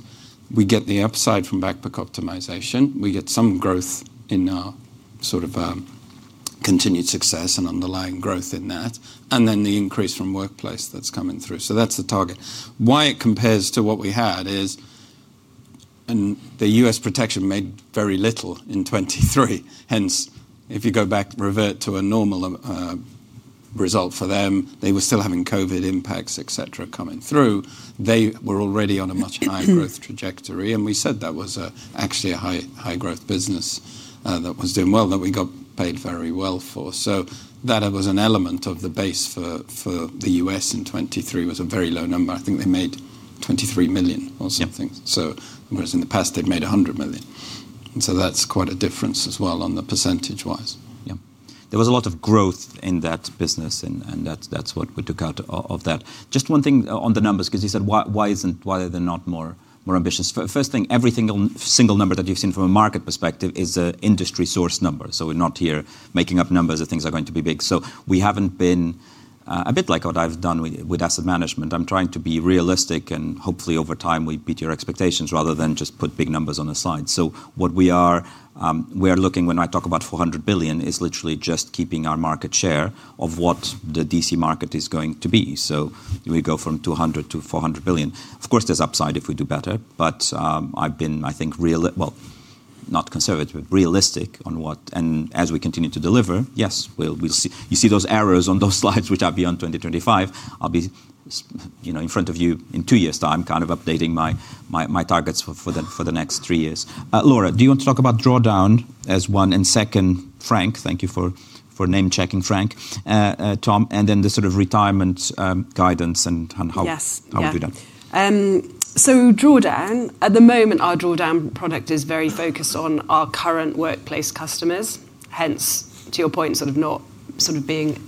We get the upside from backbook optimization. We get some growth in our sort of continued success and underlying growth in that, and then the increase from workplace that's coming through. That's the target. Why it compares to what we had is the U.S. protection made very little in 2023. Hence, if you go back, revert to a normal result for them, they were still having COVID impacts, etc., coming through. They were already on a much higher growth trajectory. We said that was actually a high growth business that was doing well, that we got paid very well for. That was an element of the base for the U.S. in 2023. It was a very low number. I think they made $23 million or something, whereas in the past, they'd made $100 million. That's quite a difference as well on the percentage-wise. Yeah, there was a lot of growth in that business. That's what we took out of that. Just one thing on the numbers, because you said why are they not more ambitious? First thing, every single number that you've seen from a market perspective is an industry source number. We're not here making up numbers that things are going to be big. We haven't been a bit like what I've done with asset management. I'm trying to be realistic and hopefully over time we beat your expectations rather than just put big numbers on the slide. What we are, we are looking when I talk about £400 billion is literally just keeping our market share of what the DC market is going to be. We go from £200 billion to £400 billion. Of course, there's upside if we do better. I've been, I think, real, not conservative, but realistic on what. As we continue to deliver, yes, we'll see. You see those arrows on those slides which are beyond 2025. I'll be in front of you in two years' time, kind of updating my targets for the next three years. Laura, do you want to talk about drawdown as one? And second, Frank, thank you for name checking Frank, Tom. And then the sort of retirement guidance and how we do that. Drawdown, at the moment, our drawdown product is very focused on our current workplace customers. Hence, to your point, not sort of being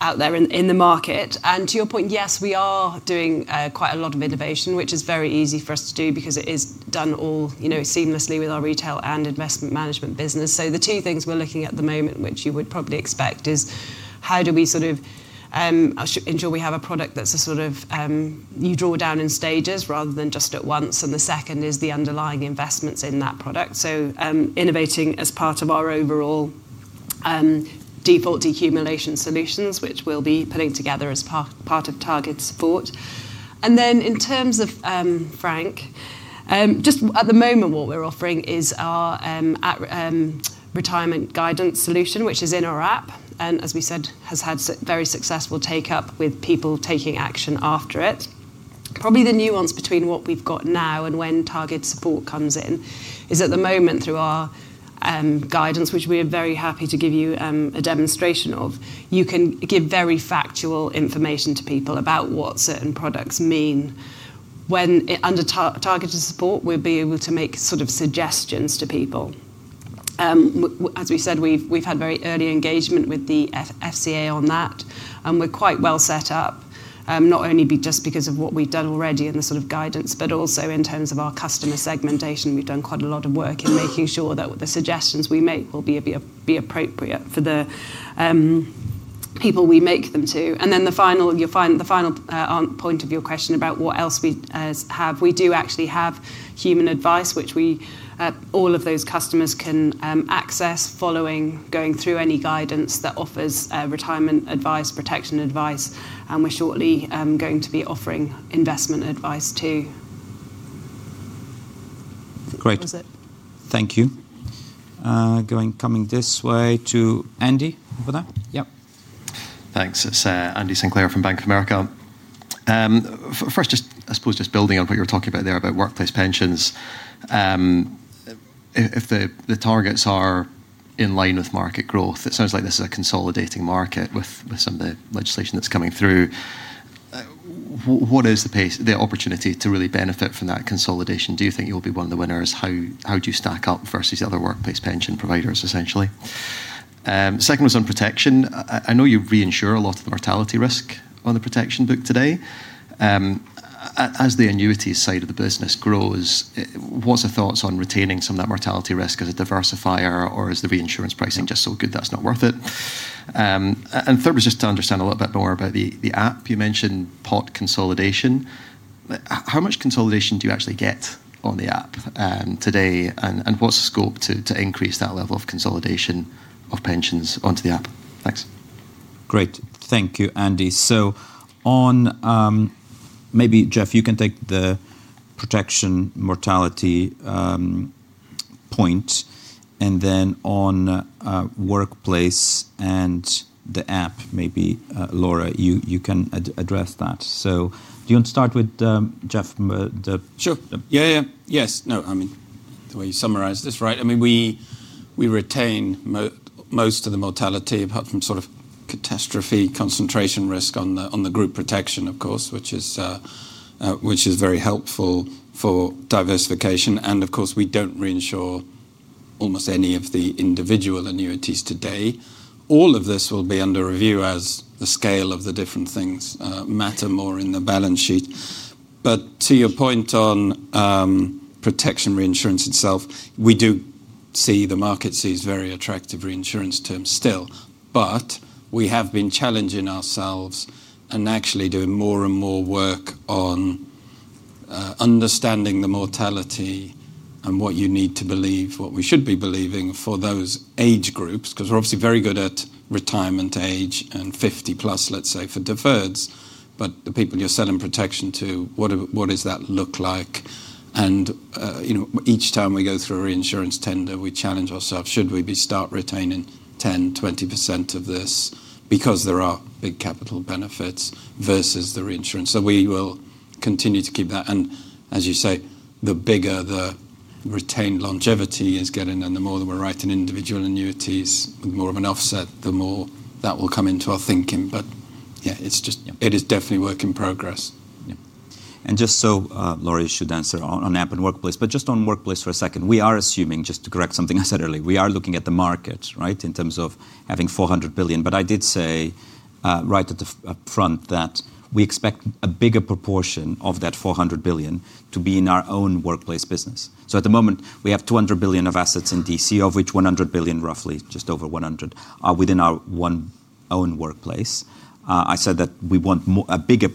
out there in the market. To your point, yes, we are doing quite a lot of innovation, which is very easy for us to do because it is done all seamlessly with our retail and investment management business. The two things we're looking at at the moment, which you would probably expect, are how do we ensure we have a product that's a sort of you draw down in stages rather than just at once, and the second is the underlying investments in that product. Innovating as part of our overall default decumulation solutions, which we'll be putting together as part of target support. In terms of Frank, at the moment, what we're offering is our retirement guidance solution, which is in our app and, as we said, has had very successful take-up with people taking action after it. Probably the nuance between what we've got now and when target support comes in is at the moment through our guidance, which we are very happy to give you a demonstration of, you can give very factual information to people about what certain products mean. When under targeted support, we'll be able to make suggestions to people. As we said, we've had very early engagement with the FCA on that, and we're quite well set up, not only just because of what we've done already in the guidance, but also in terms of our customer segmentation. We've done quite a lot of work in making sure that the suggestions we make will be appropriate for the people we make them to. The final point of your question about what else we have, we do actually have human advice, which all of those customers can access following going through any guidance that offers retirement advice, protection advice, and we're shortly going to be offering investment advice too. Great. Thank you. Coming this way to Andy over there. Yeah. Thanks, Sarah. Andy Sinclair from Bank of America. First, I suppose just building on what you're talking about there, about workplace pensions. If the targets are in line with market growth, it sounds like this is a consolidating market with some of the legislation that's coming through. What is the opportunity to really benefit from that consolidation? Do you think you'll be one of the winners? How do you stack up versus the other workplace pension providers, essentially? Second was on protection. I know you reinsure a lot of the mortality risk on the protection book today. As the annuities side of the business grows, what are the thoughts on retaining some of that mortality risk as a diversifier or is the reinsurance pricing just so good that it's not worth it? Third was just to understand a little bit more about the app. You mentioned pot consolidation. How much consolidation do you actually get on the app today? What's the scope to increase that level of consolidation of pensions onto the app? Thanks. Great. Thank you, Andy. On maybe, Jeff, you can take the protection mortality point. On workplace and the app, maybe Laura, you can address that. Do you want to start with Jeff? Sure. Yes. The way you summarized this, right? We retain most of the mortality apart from catastrophe concentration risk on the group protection, which is very helpful for diversification. We don't reinsure almost any of the individual annuities today. All of this will be under review as the scale of the different things matter more in the balance sheet. To your point on protection reinsurance itself, we do see the market sees very attractive reinsurance terms still. We have been challenging ourselves and actually doing more and more work on understanding the mortality and what you need to believe, what we should be believing for those age groups, because we're obviously very good at retirement age and 50 plus, let's say, for deferreds. The people you're selling protection to, what does that look like? Each time we go through a reinsurance tender, we challenge ourselves, should we start retaining 10%, 20% of this because there are big capital benefits versus the reinsurance? We will continue to keep that. As you say, the bigger the retained longevity is getting, and the more that we're writing individual annuities, the more of an offset, the more that will come into our thinking. It is definitely work in progress. Laura should answer on app and workplace, but just on workplace for a second, we are assuming, just to correct something I said earlier, we are looking at the market in terms of having £400 billion. I did say right at the front that we expect a bigger proportion of that £400 billion to be in our own workplace business. At the moment, we have £200 billion of assets in DC, of which £100 billion, roughly just over £100 billion, are within our own workplace. I said that we want a bigger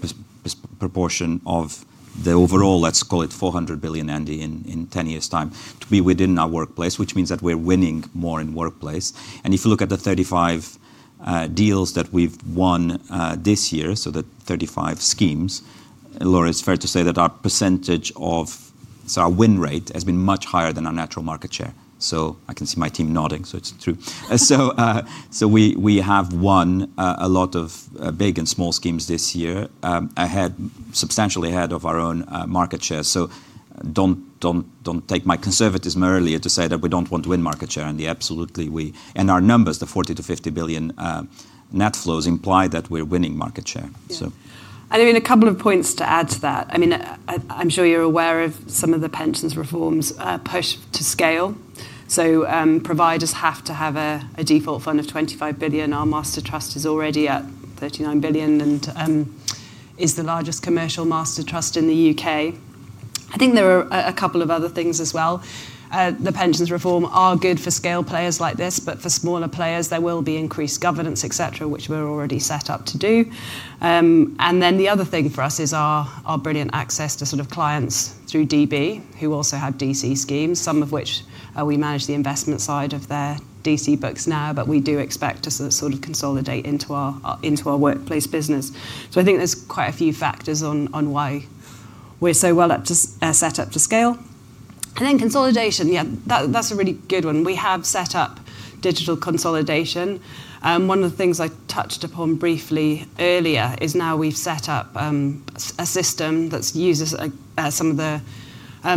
proportion of the overall, let's call it £400 billion, Andy, in 10 years' time to be within our workplace, which means that we're winning more in workplace. If you look at the 35 deals that we've won this year, so the 35 schemes, Laura, it's fair to say that our percentage of, so our win rate has been much higher than our natural market share. I can see my team nodding, so it's true. We have won a lot of big and small schemes this year, substantially ahead of our own market share. Do not take my conservatism earlier to say that we don't want to win market share. Absolutely, and our numbers, the £40 to £50 billion net flows, imply that we're winning market share. I mean, a couple of points to add to that. I'm sure you're aware of some of the pensions reforms pushed to scale. Providers have to have a default fund of £25 billion. Our master trust is already at £30 billion. and is the largest commercial master trust in the UK. I think there are a couple of other things as well. The pensions reform are good for scale players like this, but for smaller players there will be increased governance, etc., which we're already set up to do. The other thing for us is our brilliant access to sort of clients through DB, who also have DC schemes, some of which we manage the investment side of their DC books now, but we do expect to sort of consolidate into our workplace business. I think there's quite a few factors on why we're so well set up to scale. Consolidation, yeah, that's a really good one. We have set up digital consolidation. One of the things I touched upon briefly earlier is now we've set up a system that uses some of the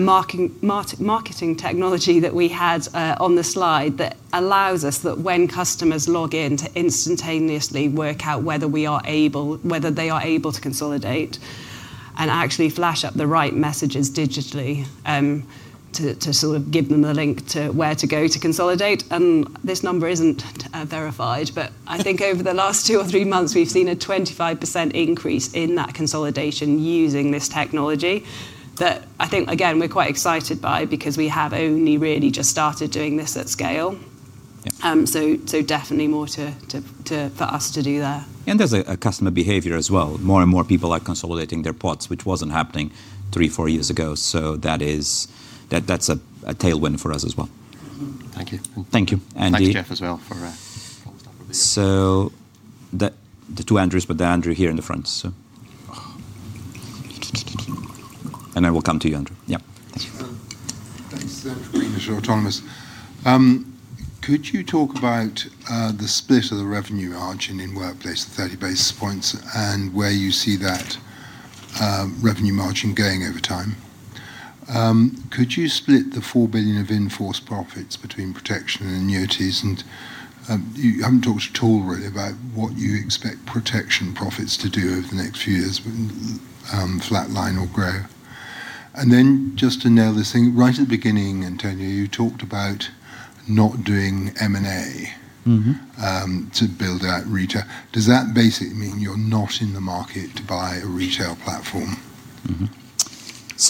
marketing technology that we had on the slide that allows us that when customers log in to instantaneously work out whether they are able to consolidate and actually flash up the right messages digitally to sort of give them the link to where to go to consolidate. This number isn't verified, but I think over the last two or three months we've seen a 25% increase in that consolidation using this technology that I think, again, we're quite excited by because we have only really just started doing this at scale. Definitely more for us to do there. There is a customer behavior as well. More and more people are consolidating their pots, which was not happening three or four years ago. That is a tailwind for us as well. Thank you. Thank you, Andy. Thanks, Jeff, as well for that. The two Andrews, the Andrew here in the front. I will come to you, Andrew. Yeah. Thanks, Andrew. Thanks, Kweni, for your time. Could you talk about the split of the revenue margin in workplace for 30 bps and where you see that revenue margin going over time? Could you split the £4 billion of in-force profits between protection and annuities? You haven't talked at all really about what you expect protection profits to do over the next few years, flat line or grow? Just to nail this thing, right at the beginning, António, you talked about not doing M&A to build out retail. Does that basically mean you're not in the market to buy a retail platform?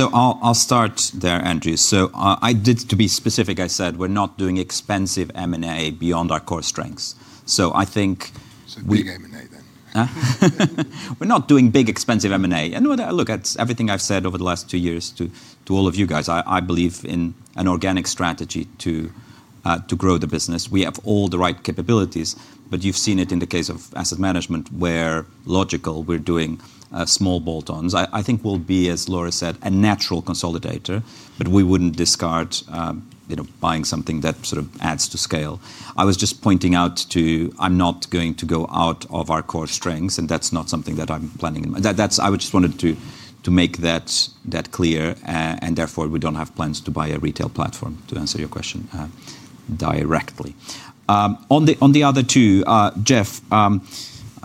I'll start there, Andrew. To be specific, I said we're not doing expensive M&A beyond our core strengths. I think. Big M&A then. We're not doing big expensive M&A. Look, it's everything I've said over the last two years to all of you guys. I believe in an organic strategy to grow the business. We have all the right capabilities, but you've seen it in the case of asset management where logically we're doing small bolt-ons. I think we'll be, as Laura said, a natural consolidator, but we wouldn't discard buying something that sort of adds to scale. I was just pointing out I'm not going to go out of our core strengths, and that's not something that I'm planning in mind. I just wanted to make that clear, and therefore we don't have plans to buy a retail platform, to answer your question directly. On the other two, Jeff, I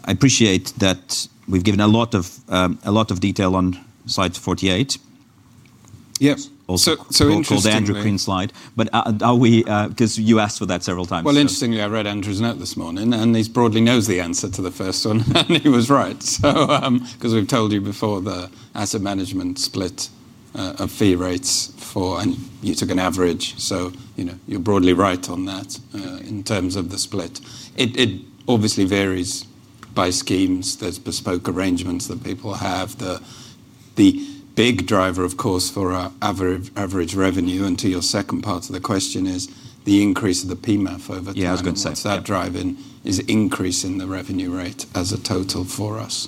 appreciate that we've given a lot of detail on slide 48. Yes. So interesting. For the John Kingman slide. Because you asked for that several times. Interestingly, I read Andrew's note this morning, and he broadly knows the answer to the first one, and he was right. Because we've told you before the asset management split of fee rates for, and you took an average, so you're broadly right on that in terms of the split. It obviously varies by schemes. There's bespoke arrangements that people have. The big driver, of course, for our average revenue, and to your second part of the question, is the increase of the PMAF over time. Yeah, I was going to say. That drive in is increasing the revenue rate as a total for us.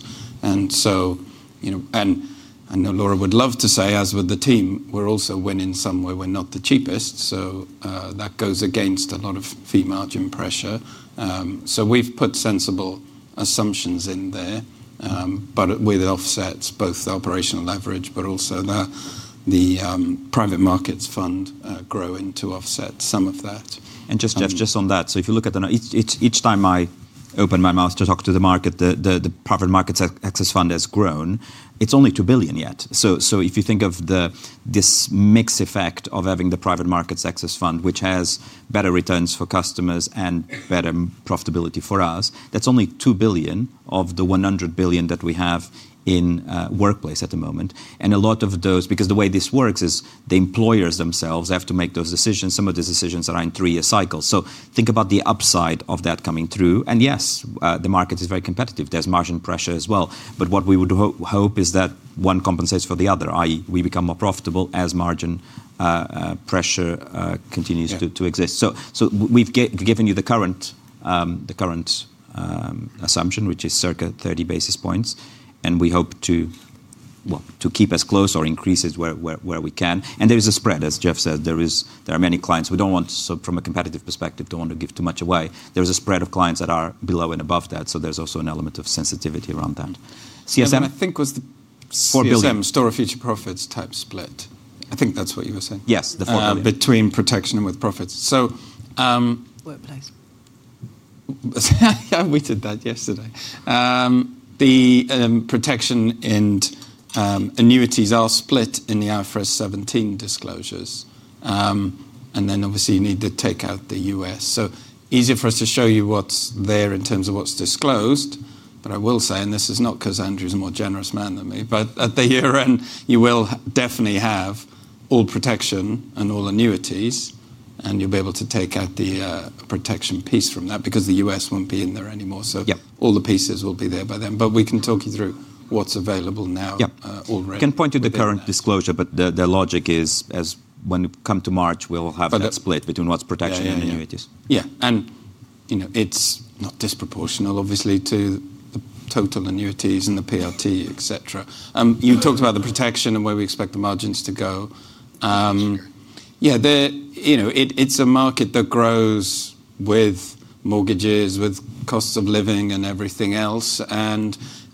Laura would love to say, as would the team, we're also winning some way. We're not the cheapest, so that goes against a lot of fee margin pressure. We've put sensible assumptions in there, with offsets, both the operational leverage and the private markets fund growing to offset some of that. Jeff, just on that, if you look at each time I open my mouth to talk to the market, the private markets access fund has grown, it's only £2 billion yet. If you think of this mix effect of having the private markets access fund, which has better returns for customers and better profitability for us, that's only £2 billion of the £100 billion that we have in workplace at the moment. A lot of those, because the way this works is the employers themselves have to make those decisions. Some of these decisions are in three-year cycles. Think about the upside of that coming through. Yes, the market is very competitive. There's margin pressure as well. What we would hope is that one compensates for the other, i.e., we become more profitable as margin pressure continues to exist. We've given you the current assumption, which is circa 30 bps, and we hope to keep as close or increase it where we can. There is a spread, as Jeff said. There are many clients. We don't want, from a competitive perspective, to give too much away. There is a spread of clients that are below and above that. There's also an element of sensitivity around that. I think it was the £4 billion, Stuart, future profits type split. I think that's what you were saying. Yes, the £4 billion. Between protection and with profits. Workplace. Yeah, we did that yesterday. The protection and annuities are split in the IFRS 17 disclosures. Obviously, you need to take out the U.S. Easier for us to show you what's there in terms of what's disclosed. I will say, and this is not because Andrew is a more generous man than me, at the year end, you will definitely have all protection and all annuities, and you'll be able to take out the protection piece from that because the U.S. won't be in there anymore. All the pieces will be there by then. We can talk you through what's available now already. I can point to the current disclosure, but the logic is when we come to March, we'll have that split between what's protection and annuities. Yeah, it's not disproportional, obviously, to the total annuities and the PRT, etc. You talked about the protection and where we expect the margins to go. It's a market that grows with mortgages, with cost of living, and everything else.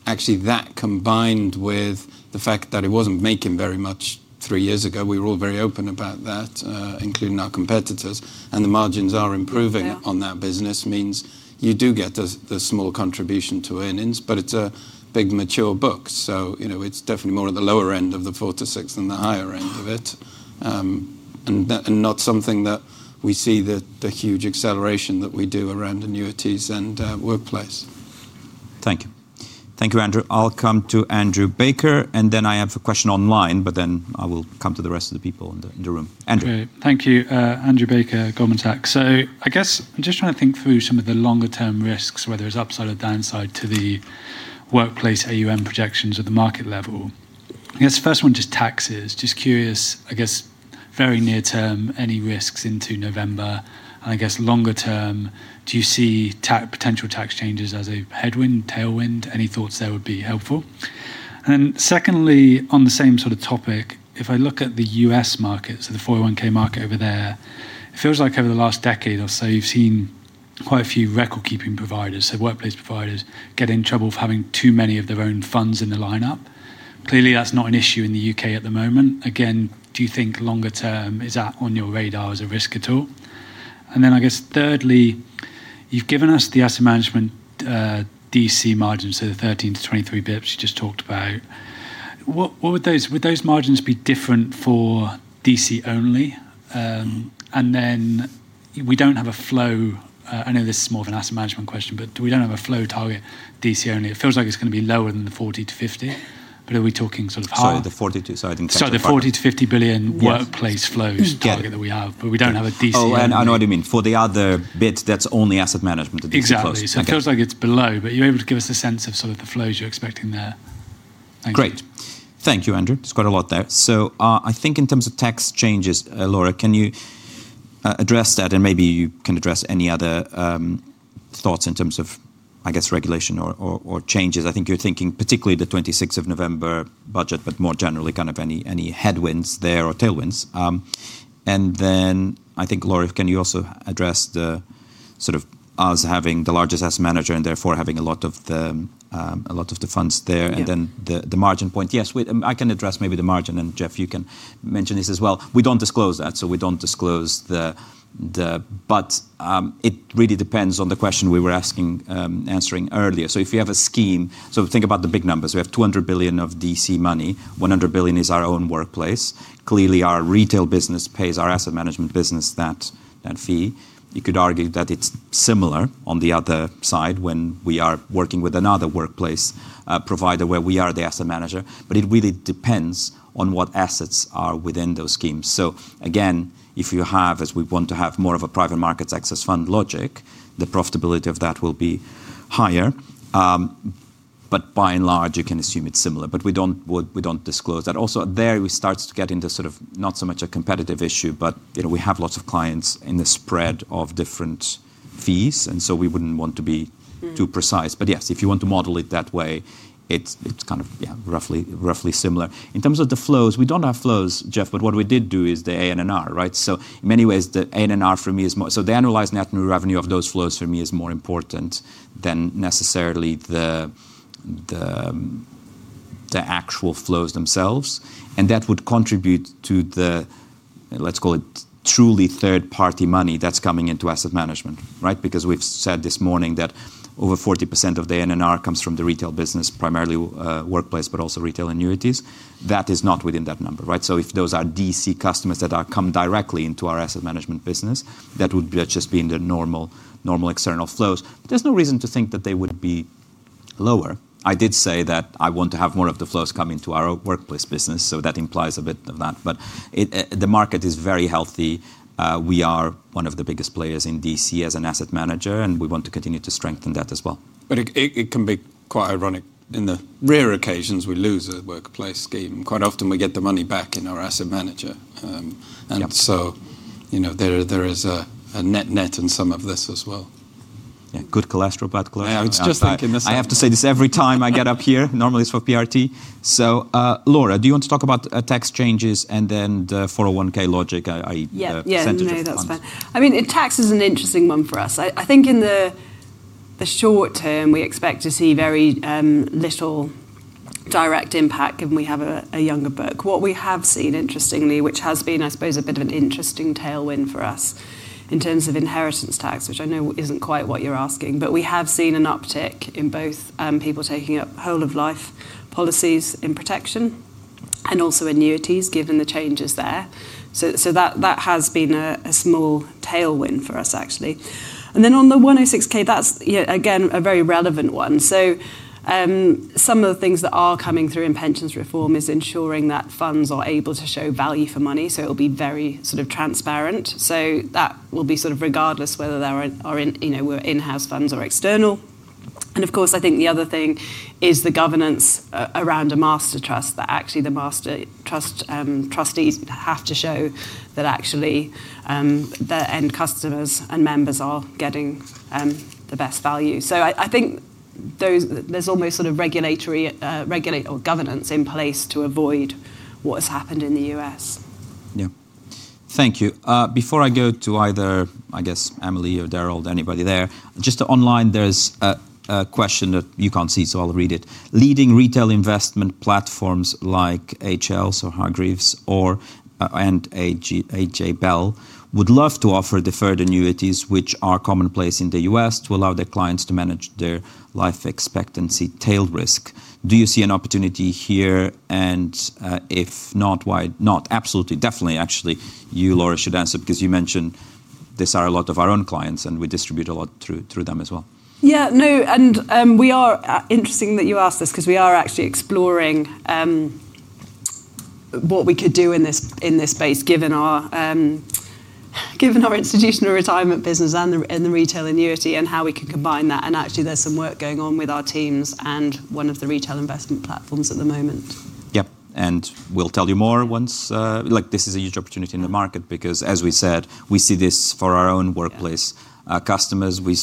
Actually, that combined with the fact that it wasn't making very much three years ago, we were all very open about that, including our competitors. The margins are improving on that business. It means you do get the small contribution to earnings, but it's a big mature book. It's definitely more at the lower end of the 4% to 6% than the higher end of it, and not something that we see the huge acceleration that we do around annuities and workplace. Thank you. Thank you, Andrew. I'll come to Andrew Baker, and then I have a question online, but then I will come to the rest of the people in the room. Andrew. Thank you, Andrew Baker, Goldman Sachs. I'm just trying to think through some of the longer-term risks, whether it's upside or downside, to the workplace AUM projections at the market level. The first one is just taxes. Just curious, very near-term, any risks into November? Longer-term, do you see potential tax changes as a headwind, tailwind? Any thoughts there would be helpful? Secondly, on the same sort of topic, if I look at the U.S. market, so the 401(k) market over there, it feels like over the last decade or so, you've seen quite a few record-keeping providers, so workplace providers, get in trouble for having too many of their own funds in the lineup. Clearly, that's not an issue in the UK at the moment. Do you think longer-term, is that on your radar as a risk at all? Thirdly, you've given us the asset management DC margins, so the 13 to 23 bps you just talked about. Would those margins be different for DC only? We don't have a flow, I know this is more of an asset management question, but we don't have a flow target DC only. It feels like it's going to be lower than the 40 to 50, but are we talking sort of higher? Sorry, the £40 to £50 billion workplace flows target that we have, we don't have a DC only. I know what you mean. For the other bit, that's only asset management that you can close. Exactly. It feels like it's below, but you're able to give us a sense of the flows you're expecting there. Thank you. Great. Thank you, Andrew. That's quite a lot there. I think in terms of tax changes, Laura, can you address that and maybe you can address any other thoughts in terms of, I guess, regulation or changes? I think you're thinking particularly the 26th of November budget, but more generally, kind of any headwinds there or tailwinds. Laura, can you also address the sort of us having the largest asset manager and therefore having a lot of the funds there and then the margin point? Yes, I can address maybe the margin and Jeff, you can mention this as well. We don't disclose that, so we don't disclose the, but it really depends on the question we were answering earlier. If you have a scheme, think about the big numbers. We have £200 billion of DC money. £100 billion is our own workplace. Clearly, our retail business pays our asset management business that fee. You could argue that it's similar on the other side when we are working with another workplace provider where we are the asset manager, but it really depends on what assets are within those schemes. If you have, as we want to have more of a private markets access fund logic, the profitability of that will be higher. By and large, you can assume it's similar, but we don't disclose that. Also, there we start to get into not so much a competitive issue, but we have lots of clients in the spread of different fees, and we wouldn't want to be too precise. If you want to model it that way, it's kind of roughly similar. In terms of the flows, we don't have flows, Jeff, but what we did do is the ANNR. In many ways, the ANNR for me is more, so the annualized net new revenue of those flows for me is more important than necessarily the actual flows themselves. That would contribute to the, let's call it truly third-party money that's coming into asset management, right? We've said this morning that over 40% of the ANNR comes from the retail business, primarily workplace, but also retail annuities. That is not within that number, right? If those are DC customers that come directly into our asset management business, that would just be in the normal external flows. There's no reason to think that they would be lower. I did say that I want to have more of the flows come into our workplace business, so that implies a bit of that. The market is very healthy. We are one of the biggest players in DC as an asset manager, and we want to continue to strengthen that as well. It can be quite ironic in the rare occasions we lose a workplace scheme. Quite often we get the money back in our asset manager, so there is a net-net in some of this as well. Yeah, good cholesterol, bad cholesterol. Yeah, it's just like in the. I have to say this every time I get up here. Normally it's for pension risk transfer. Laura, do you want to talk about tax changes and then the 401(k) logic? Yeah, that's fine. I mean, tax is an interesting one for us. I think in the short term we expect to see very little direct impact given we have a younger book. What we have seen, interestingly, which has been, I suppose, a bit of an interesting tailwind for us in terms of inheritance tax, which I know isn't quite what you're asking, but we have seen an uptick in both people taking up whole-of-life policies in protection and also annuities given the changes there. That has been a small tailwind for us, actually. On the 106(k), that's again a very relevant one. Some of the things that are coming through in pensions reform is ensuring that funds are able to show value for money, so it'll be very sort of transparent. That will be sort of regardless whether we're in-house funds or external. Of course, I think the other thing is the governance around a master trust, that actually the master trustees have to show that actually the end customers and members are getting the best value. I think there's almost sort of regulatory or governance in place to avoid what has happened in the U.S. Thank you. Before I go to either, I guess, Emily or Daryl or anybody there, just online, there's a question that you can't see, so I'll read it. Leading retail investment platforms like HL, so Hargreaves, and AJ Bell would love to offer deferred annuities, which are commonplace in the U.S., to allow their clients to manage their life expectancy tail risk. Do you see an opportunity here? If not, why not? Absolutely, definitely, actually, you Laura should answer because you mentioned these are a lot of our own clients and we distribute a lot through them as well. Yeah, no, it's interesting that you asked this because we are actually exploring what we could do in this space given our institutional retirement business and the retail annuity and how we can combine that. Actually, there's some work going on with our teams and one of the retail investment platforms at the moment. Yep, we'll tell you more once this is a huge opportunity in the market because as we said, we see this for our own workplace customers. We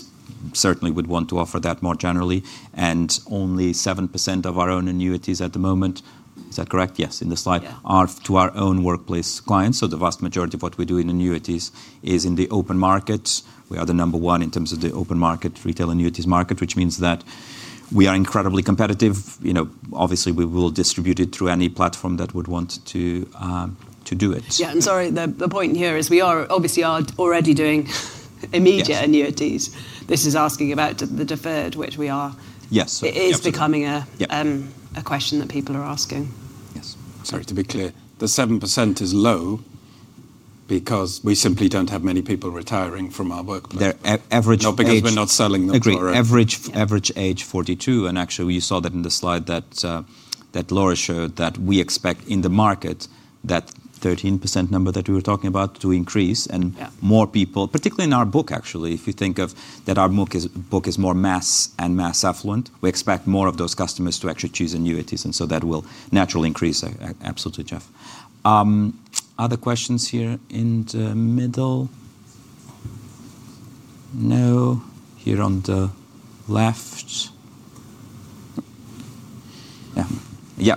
certainly would want to offer that more generally. Only 7% of our own annuities at the moment, is that correct? Yes, in the slide, are to our own workplace clients. The vast majority of what we do in annuities is in the open market. We are the number one in terms of the open market retail annuities market, which means that we are incredibly competitive. Obviously, we will distribute it through any platform that would want to do it. Yeah, sorry, the point here is we obviously are already doing immediate annuities. This is asking about the deferred, which we are. Yes. It is becoming a question that people are asking. Yes, sorry, to be clear, the 7% is low because we simply don't have many people retiring from our workplace. Average age. Not because we're not selling them. Agreed. Average age 42. We saw that in the slide that Laura showed, that we expect in the market that 13% number that we were talking about to increase and more people, particularly in our book, actually, if you think of that, our book is more mass and mass affluent, we expect more of those customers to actually choose annuities. That will naturally increase. Absolutely, Jeff. Other questions here in the middle? No? Here on the left.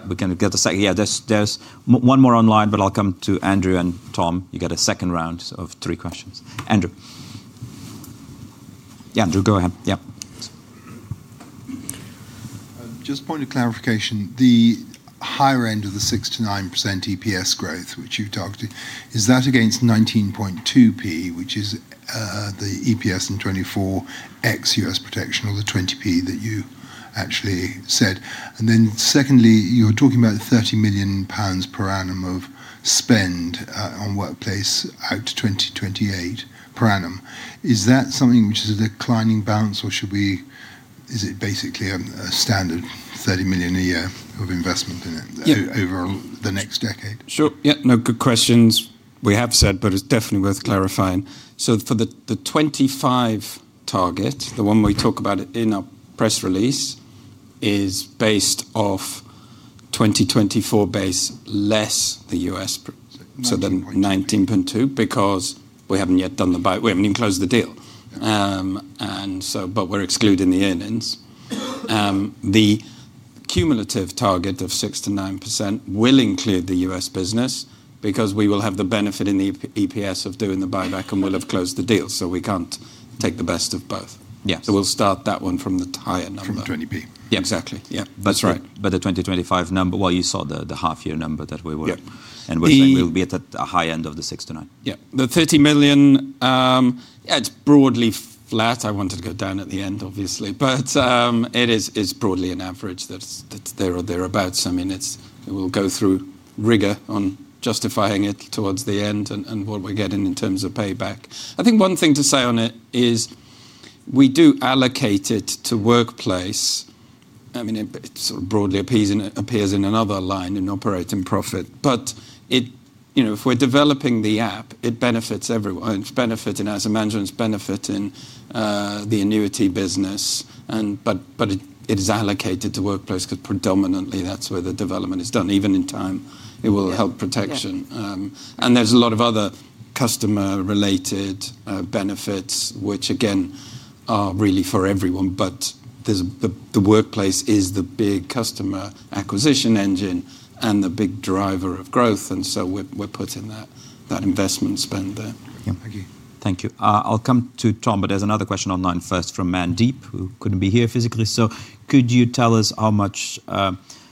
We can get a second. There's one more online, but I'll come to Andrew and Tom. You get a second round of three questions. Andrew. Yeah, Andrew, go ahead. Yeah. Just a point of clarification, the higher end of the 6 to 9% EPS growth, which you talked to, is that against 19.2p, which is the EPS in 2024 ex U.S. protection, or the 20p that you actually said? Secondly, you were talking about £30 million per annum of spend on workplace out to 2028 per annum. Is that something which is a declining balance, or is it basically a standard £30 million a year of investment in it over the next decade? Sure, yeah, good questions. We have said, but it's definitely worth clarifying. For the 2025 target, the one we talk about in our press release is based off 2024 base less the U.S., so then £19.2 billion because we haven't yet done the buyback. We haven't even closed the deal, and we're excluding the earnings. The cumulative target of 6% to 9% will include the U.S. business because we will have the benefit in the EPS of doing the buyback and we'll have closed the deal. We can't take the best of both. Yes. We'll start that one from the higher number. From 20P. Yeah, exactly. Yeah. That's right. The 2025 number, you saw the half-year number that we were. Yep. We'll be at the high end of the 6 to 9. Yeah, the £30 million, yeah, it's broadly flat. I wanted to go down at the end, obviously, but it is broadly an average that's there or thereabouts. We'll go through rigor on justifying it towards the end and what we're getting in terms of payback. One thing to say on it is we do allocate it to workplace. It sort of broadly appears in another line in operating profit. If we're developing the app, it benefits everyone. It's benefiting asset management. It's benefiting the annuity business. It is allocated to workplace because predominantly that's where the development is done. Even in time, it will help protection. There's a lot of other customer-related benefits, which again are really for everyone. The workplace is the big customer acquisition engine and the big driver of growth. We're putting that investment spend there. Thank you. Thank you. I'll come to Tom, but there's another question online first from Mandeep, who couldn't be here physically. Could you tell us how much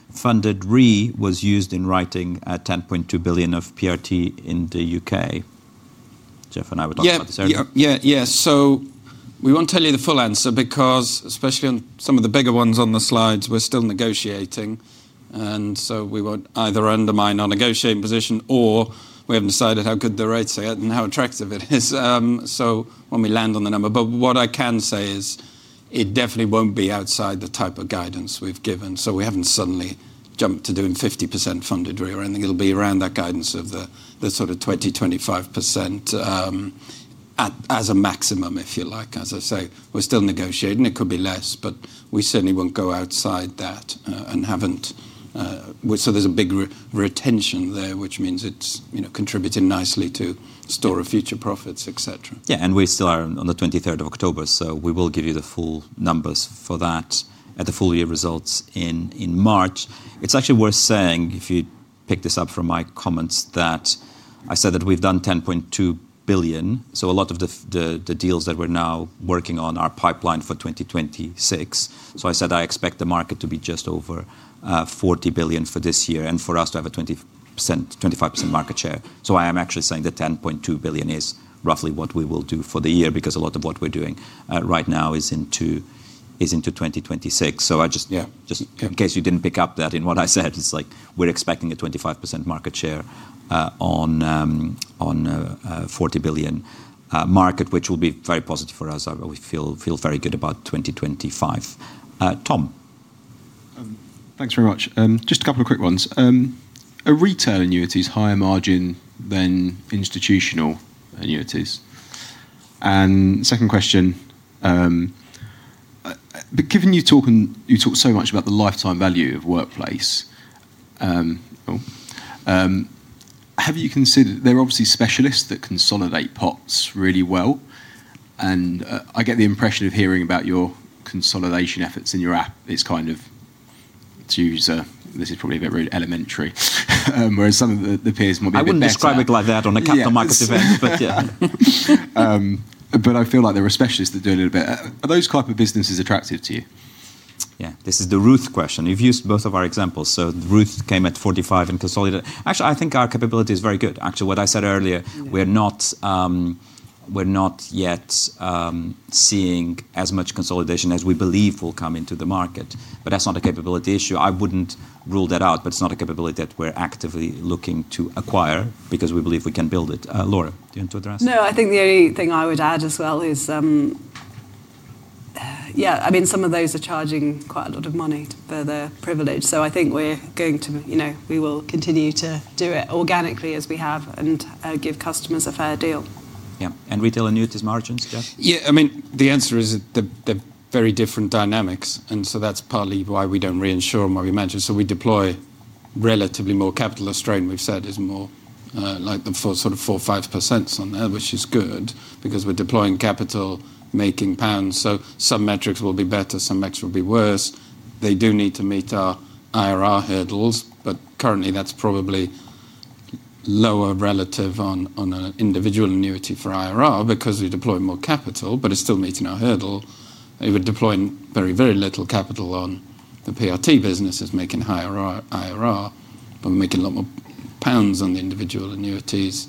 funded re was used in writing £10.2 billion of PRT in the UK? Jeff and I were talking about this earlier. Yeah. We won't tell you the full answer because especially on some of the bigger ones on the slides, we're still negotiating. We won't either undermine our negotiating position or we haven't decided how good the rates are yet and how attractive it is. When we land on the number, what I can say is it definitely won't be outside the type of guidance we've given. We haven't suddenly jumped to doing 50% funded RE or anything. It'll be around that guidance of the sort of 20-25% as a maximum, if you like. As I say, we're still negotiating. It could be less, but we certainly won't go outside that and haven't. There's a big retention there, which means it's contributing nicely to store future profits, etc. Yeah, and we still are on the 23rd of October. We will give you the full numbers for that at the full year results in March. It's actually worth saying, if you pick this up from my comments, that I said that we've done £10.2 billion. A lot of the deals that we're now working on are pipelined for 2026. I said I expect the market to be just over £40 billion for this year and for us to have a 25% market share. I am actually saying that £10.2 billion is roughly what we will do for the year because a lot of what we're doing right now is into 2026. In case you didn't pick up that in what I said, we're expecting a 25% market share on a £40 billion market, which will be very positive for us. We feel very good about 2025. Tom. Thanks very much. Just a couple of quick ones. Are retail annuities higher margin than institutional annuities? Second question, given you talk so much about the lifetime value of workplace, have you considered, there are obviously specialists that consolidate pots really well. I get the impression of hearing about your consolidation efforts in your app. It's kind of to use, this is probably a bit really elementary, whereas some of the peers might be a bit more. I wouldn't describe it like that on a capital markets event, but yeah. I feel like there are specialists that do a little bit. Are those type of businesses attractive to you? Yeah, this is the Ruth question. You've used both of our examples. Ruth came at 45 and consolidated. Actually, I think our capability is very good. What I said earlier, we're not yet seeing as much consolidation as we believe will come into the market. That's not a capability issue. I wouldn't rule that out, but it's not a capability that we're actively looking to acquire because we believe we can build it. Laura, do you want to address? No, I think the only thing I would add as well is, I mean, some of those are charging quite a lot of money for the privilege. I think we're going to, you know, we will continue to do it organically as we have and give customers a fair deal. Yeah, and retail annuities margins, Jeff? Yeah, I mean, the answer is that they're very different dynamics. That's partly why we don't reinsure and why we manage. We deploy relatively more capital. Australian we've said is more like the sort of 4-5% on there, which is good because we're deploying capital, making pounds. Some metrics will be better, some metrics will be worse. They do need to meet our IRR hurdles, but currently that's probably lower relative on an individual annuity for IRR because we deploy more capital, but it's still meeting our hurdle. We're deploying very, very little capital on the pension risk transfer business, making higher IRR, but we're making a lot more pounds on the individual annuities.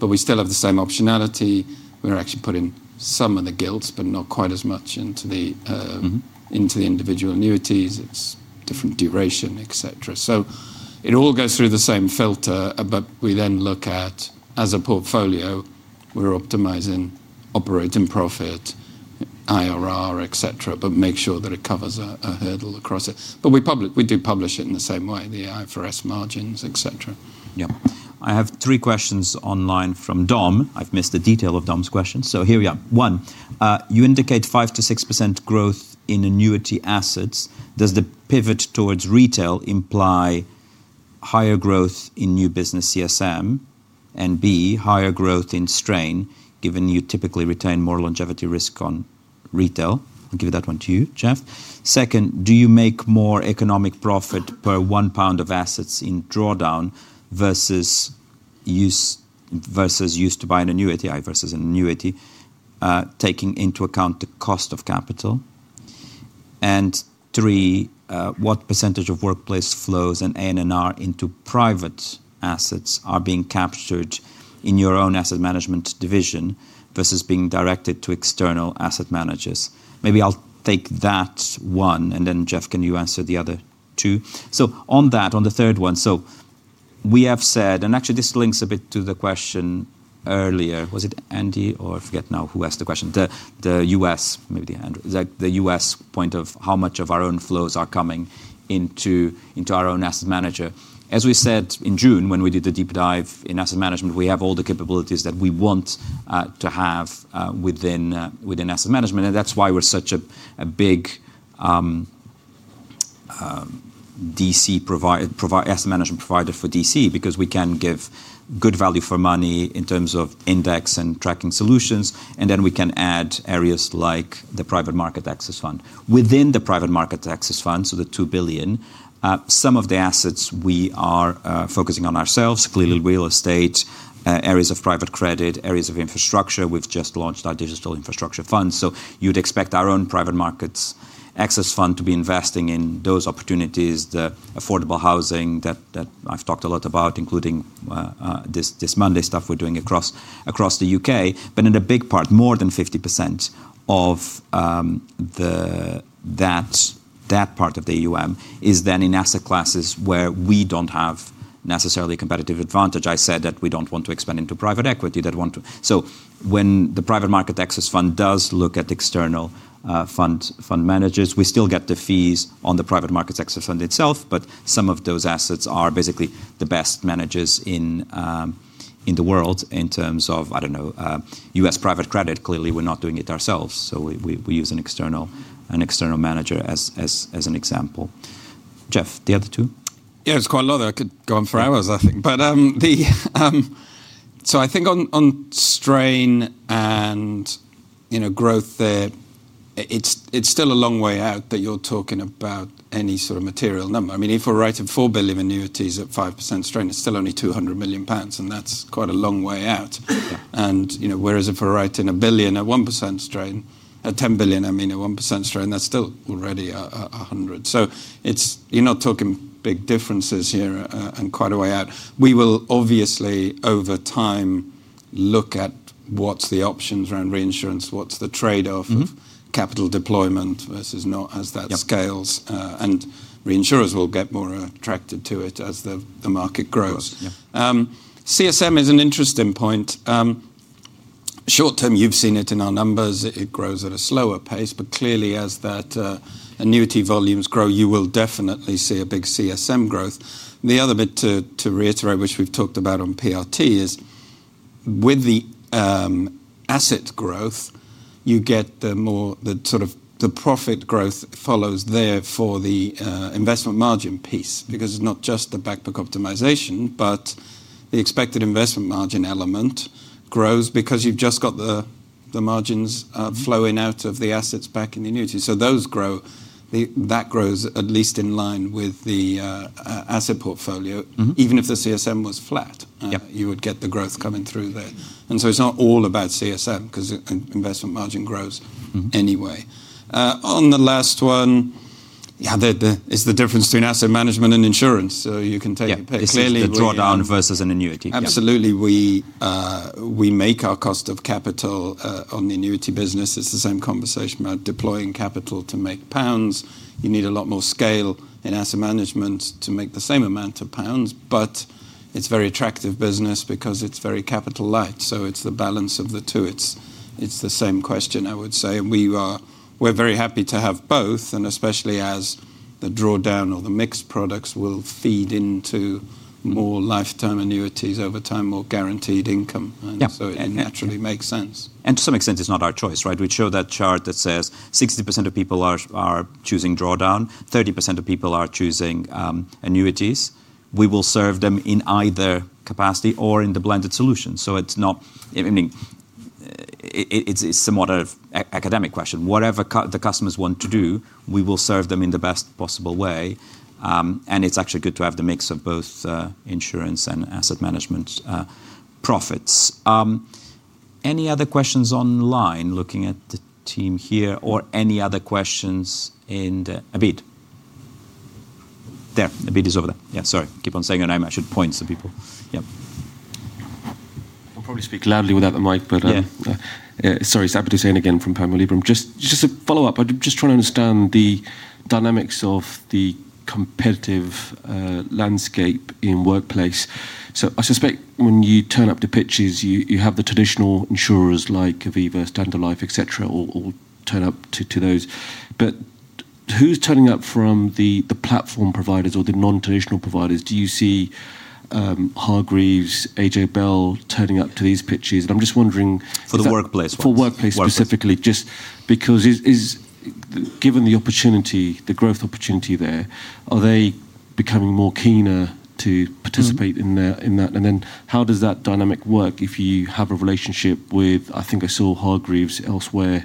We still have the same optionality. We're actually putting some of the gilts, but not quite as much into the individual annuities. It's different duration, etc. It all goes through the same filter, but we then look at, as a portfolio, we're optimizing operating profit, IRR, etc., but make sure that it covers a hurdle across it. We do publish it in the same way, the IFRS margins, etc. Yeah, I have three questions online from Dom. I've missed the detail of Dom's question. Here we are. One, you indicate 5-6% growth in annuity assets. Does the pivot towards retail imply higher growth in new business CSM? And B, higher growth in strain, given you typically retain more longevity risk on retail? I'll give that one to you, Jeff. Second, do you make more economic profit per £1 of assets in drawdown versus use to buy an annuity versus an annuity, taking into account the cost of capital? And three, what percentage of workplace flows and ANNR into private assets are being captured in your own asset management division versus being directed to external asset managers? Maybe I'll take that one, and then Jeff, can you answer the other two? On the third one, we have said, and actually this links a bit to the question earlier, was it Andy or I forget now who asked the question, the U.S., maybe the Andrew, the U.S. point of how much of our own flows are coming into our own asset manager. As we said in June when we did the deep dive in asset management, we have all the capabilities that we want to have within asset management. That's why we're such a big DC asset management provider for DC because we can give good value for money in terms of index and tracking solutions. We can add areas like the private market access fund. Within the private market access fund, so the £2 billion, some of the assets we are focusing on ourselves, clearly real estate, areas of private credit, areas of infrastructure. We've just launched our digital infrastructure fund. You'd expect our own private markets access fund to be investing in those opportunities, the affordable housing that I've talked a lot about, including this Monday stuff we're doing across the UK. In a big part, more than 50% of that part of the EUM is then in asset classes where we don't have necessarily a competitive advantage. I said that we don't want to expand into private equity. When the private market access fund does look at external fund managers, we still get the fees on the private markets access fund itself, but some of those assets are basically the best managers in the world in terms of, I don't know, U.S. private credit. Clearly, we're not doing it ourselves. We use an external manager as an example. Jeff, the other two? Yeah, it's quite a lot. I could go on for hours, I think. I think on strain and growth there, it's still a long way out that you're talking about any sort of material number. If we're writing £4 billion annuities at 5% strain, it's still only £200 million, and that's quite a long way out. Whereas if we're writing £1 billion at 1% strain, at £10 billion, at 1% strain, that's still already £100 million. You're not talking big differences here and quite a way out. We will obviously, over time, look at what's the options around reinsurance, what's the trade-off of capital deployment versus not as that scales. Reinsurers will get more attracted to it as the market grows. CSM is an interesting point. Short term, you've seen it in our numbers. It grows at a slower pace, but clearly, as that annuity volumes grow, you will definitely see a big CSM growth. The other bit to reiterate, which we've talked about on pension risk transfer, is with the asset growth, you get the more the sort of the profit growth follows there for the investment margin piece because it's not just the back book optimization, but the expected investment margin element grows because you've just got the margins flowing out of the assets back in the annuities. Those grow, that grows at least in line with the asset portfolio. Even if the CSM was flat, you would get the growth coming through there. It's not all about CSM because investment margin grows anyway. On the last one, it's the difference between asset management and insurance. You can take it clearly. The drawdown versus an annuity. Absolutely. We make our cost of capital on the annuity business. It's the same conversation about deploying capital to make pounds. You need a lot more scale in asset management to make the same amount of pounds, but it's a very attractive business because it's very capital light. It is the balance of the two. It's the same question, I would say. We're very happy to have both, especially as the drawdown or the mixed products will feed into more lifetime annuities over time, more guaranteed income. It naturally makes sense. To some extent, it's not our choice, right? We show that chart that says 60% of people are choosing drawdown, 30% of people are choosing annuities. We will serve them in either capacity or in the blended solution. It's somewhat of an academic question. Whatever the customers want to do, we will serve them in the best possible way. It's actually good to have the mix of both insurance and asset management profits. Any other questions online looking at the team here or any other questions in the Abid? There, Abid is over there. Sorry. Keep on saying your name. I should point some people. Yeah. I'll probably speak loudly without the mic, but yeah, sorry, it's Abid Hussain again from Panmure Liberum. Just a follow-up. I'm just trying to understand the dynamics of the competitive landscape in workplace. I suspect when you turn up to pitches, you have the traditional insurers like Aviva, Standard Life, etc., all turn up to those. Who's turning up from the platform providers or the non-traditional providers? Do you see Hargreaves, AJ Bell turning up to these pitches? I'm just wondering. For the workplace ones. For workplace specifically, just because given the opportunity, the growth opportunity there, are they becoming more keen to participate in that? How does that dynamic work if you have a relationship with, I think I saw Hargreaves elsewhere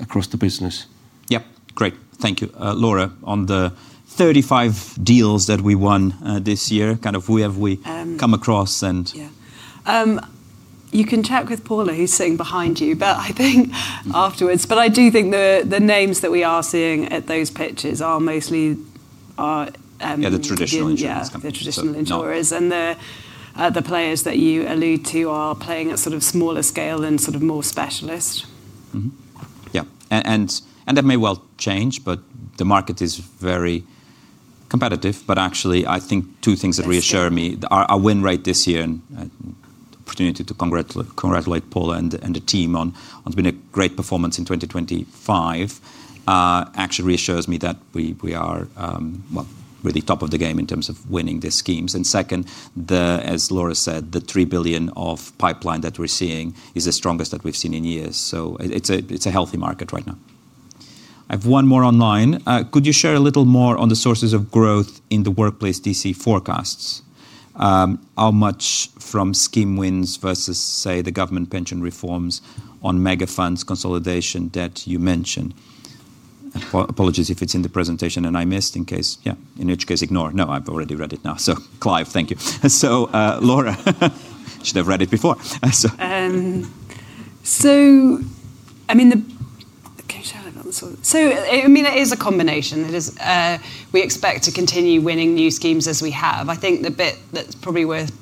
across the business? Yep, great. Thank you. Laura, on the 35 deals that we won this year, kind of who have we come across? You can chat with Paula, who's sitting behind you, afterwards. I do think the names that we are seeing at those pitches are mostly. Yeah, the traditional insurers. Yeah, the traditional insurers. The players that you allude to are playing at sort of smaller scale and sort of more specialist. Yeah, and that may well change, but the market is very competitive. Actually, I think two things that reassure me: our win rate this year and the opportunity to congratulate Paula and the team on it's been a great performance in 2025, actually reassures me that we are really top of the game in terms of winning these schemes. Second, as Laura said, the £3 billion of pipeline that we're seeing is the strongest that we've seen in years. It's a healthy market right now. I have one more online. Could you share a little more on the sources of growth in the workplace DC forecasts? How much from scheme wins versus, say, the government pension reforms on mega funds, consolidation, debt you mentioned? Apologies if it's in the presentation and I missed, in which case ignore. No, I've already read it now. So Clive, thank you. Laura, you should have read it before. It is a combination. We expect to continue winning new schemes as we have. I think the bit that's probably worth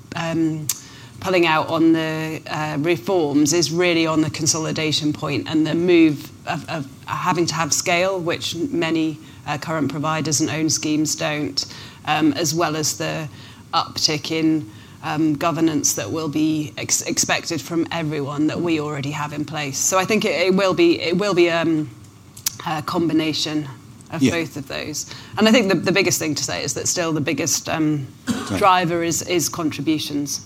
pulling out on the reforms is really on the consolidation point and the move of having to have scale, which many current providers and own schemes don't, as well as the uptick in governance that will be expected from everyone that we already have in place. I think it will be a combination of both of those. I think the biggest thing to say is that still the biggest driver is contributions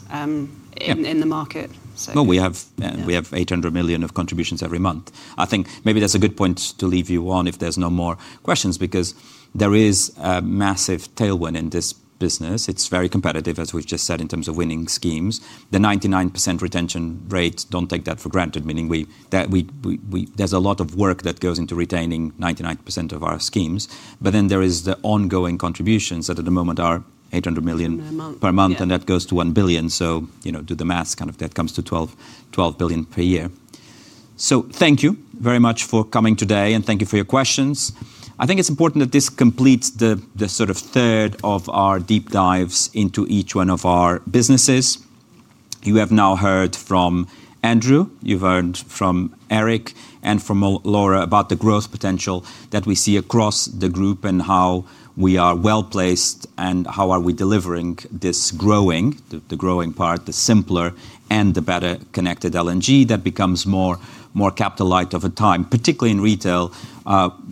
in the market. We have £800 million of contributions every month. I think maybe that's a good point to leave you on if there's no more questions because there is a massive tailwind in this business. It's very competitive, as we've just said, in terms of winning schemes. The 99% retention rate, don't take that for granted, meaning there's a lot of work that goes into retaining 99% of our schemes. There is the ongoing contributions that at the moment are £800 million per month, and that goes to £1 billion. Do the math, kind of that comes to £12 billion per year. Thank you very much for coming today, and thank you for your questions. I think it's important that this completes the sort of third of our deep dives into each one of our businesses. You have now heard from Andrew, you've heard from Eric, and from Laura about the growth potential that we see across the group and how we are well placed and how we are delivering this growing, the growing part, the simpler and the better connected L&G that becomes more capital-light over time, particularly in retail.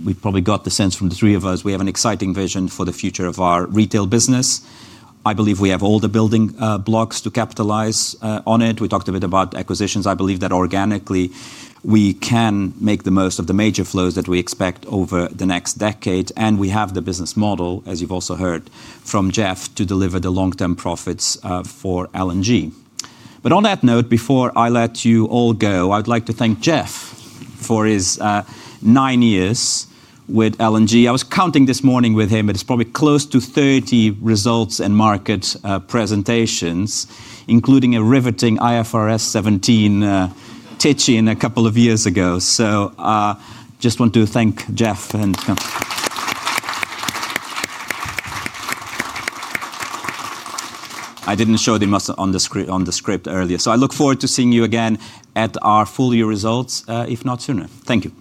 You've probably got the sense from the three of us. We have an exciting vision for the future of our retail business. I believe we have all the building blocks to capitalize on it. We talked a bit about acquisitions. I believe that organically we can make the most of the major flows that we expect over the next decade. We have the business model, as you've also heard from Jeff, to deliver the long-term profits for L&G. On that note, before I let you all go, I'd like to thank Jeff for his nine years with L&G. I was counting this morning with him. It's probably close to 30 results and market presentations, including a riveting IFRS 17 pitch a couple of years ago. I just want to thank Jeff. I didn't show them on the script earlier. I look forward to seeing you again at our full year results, if not sooner. Thank you.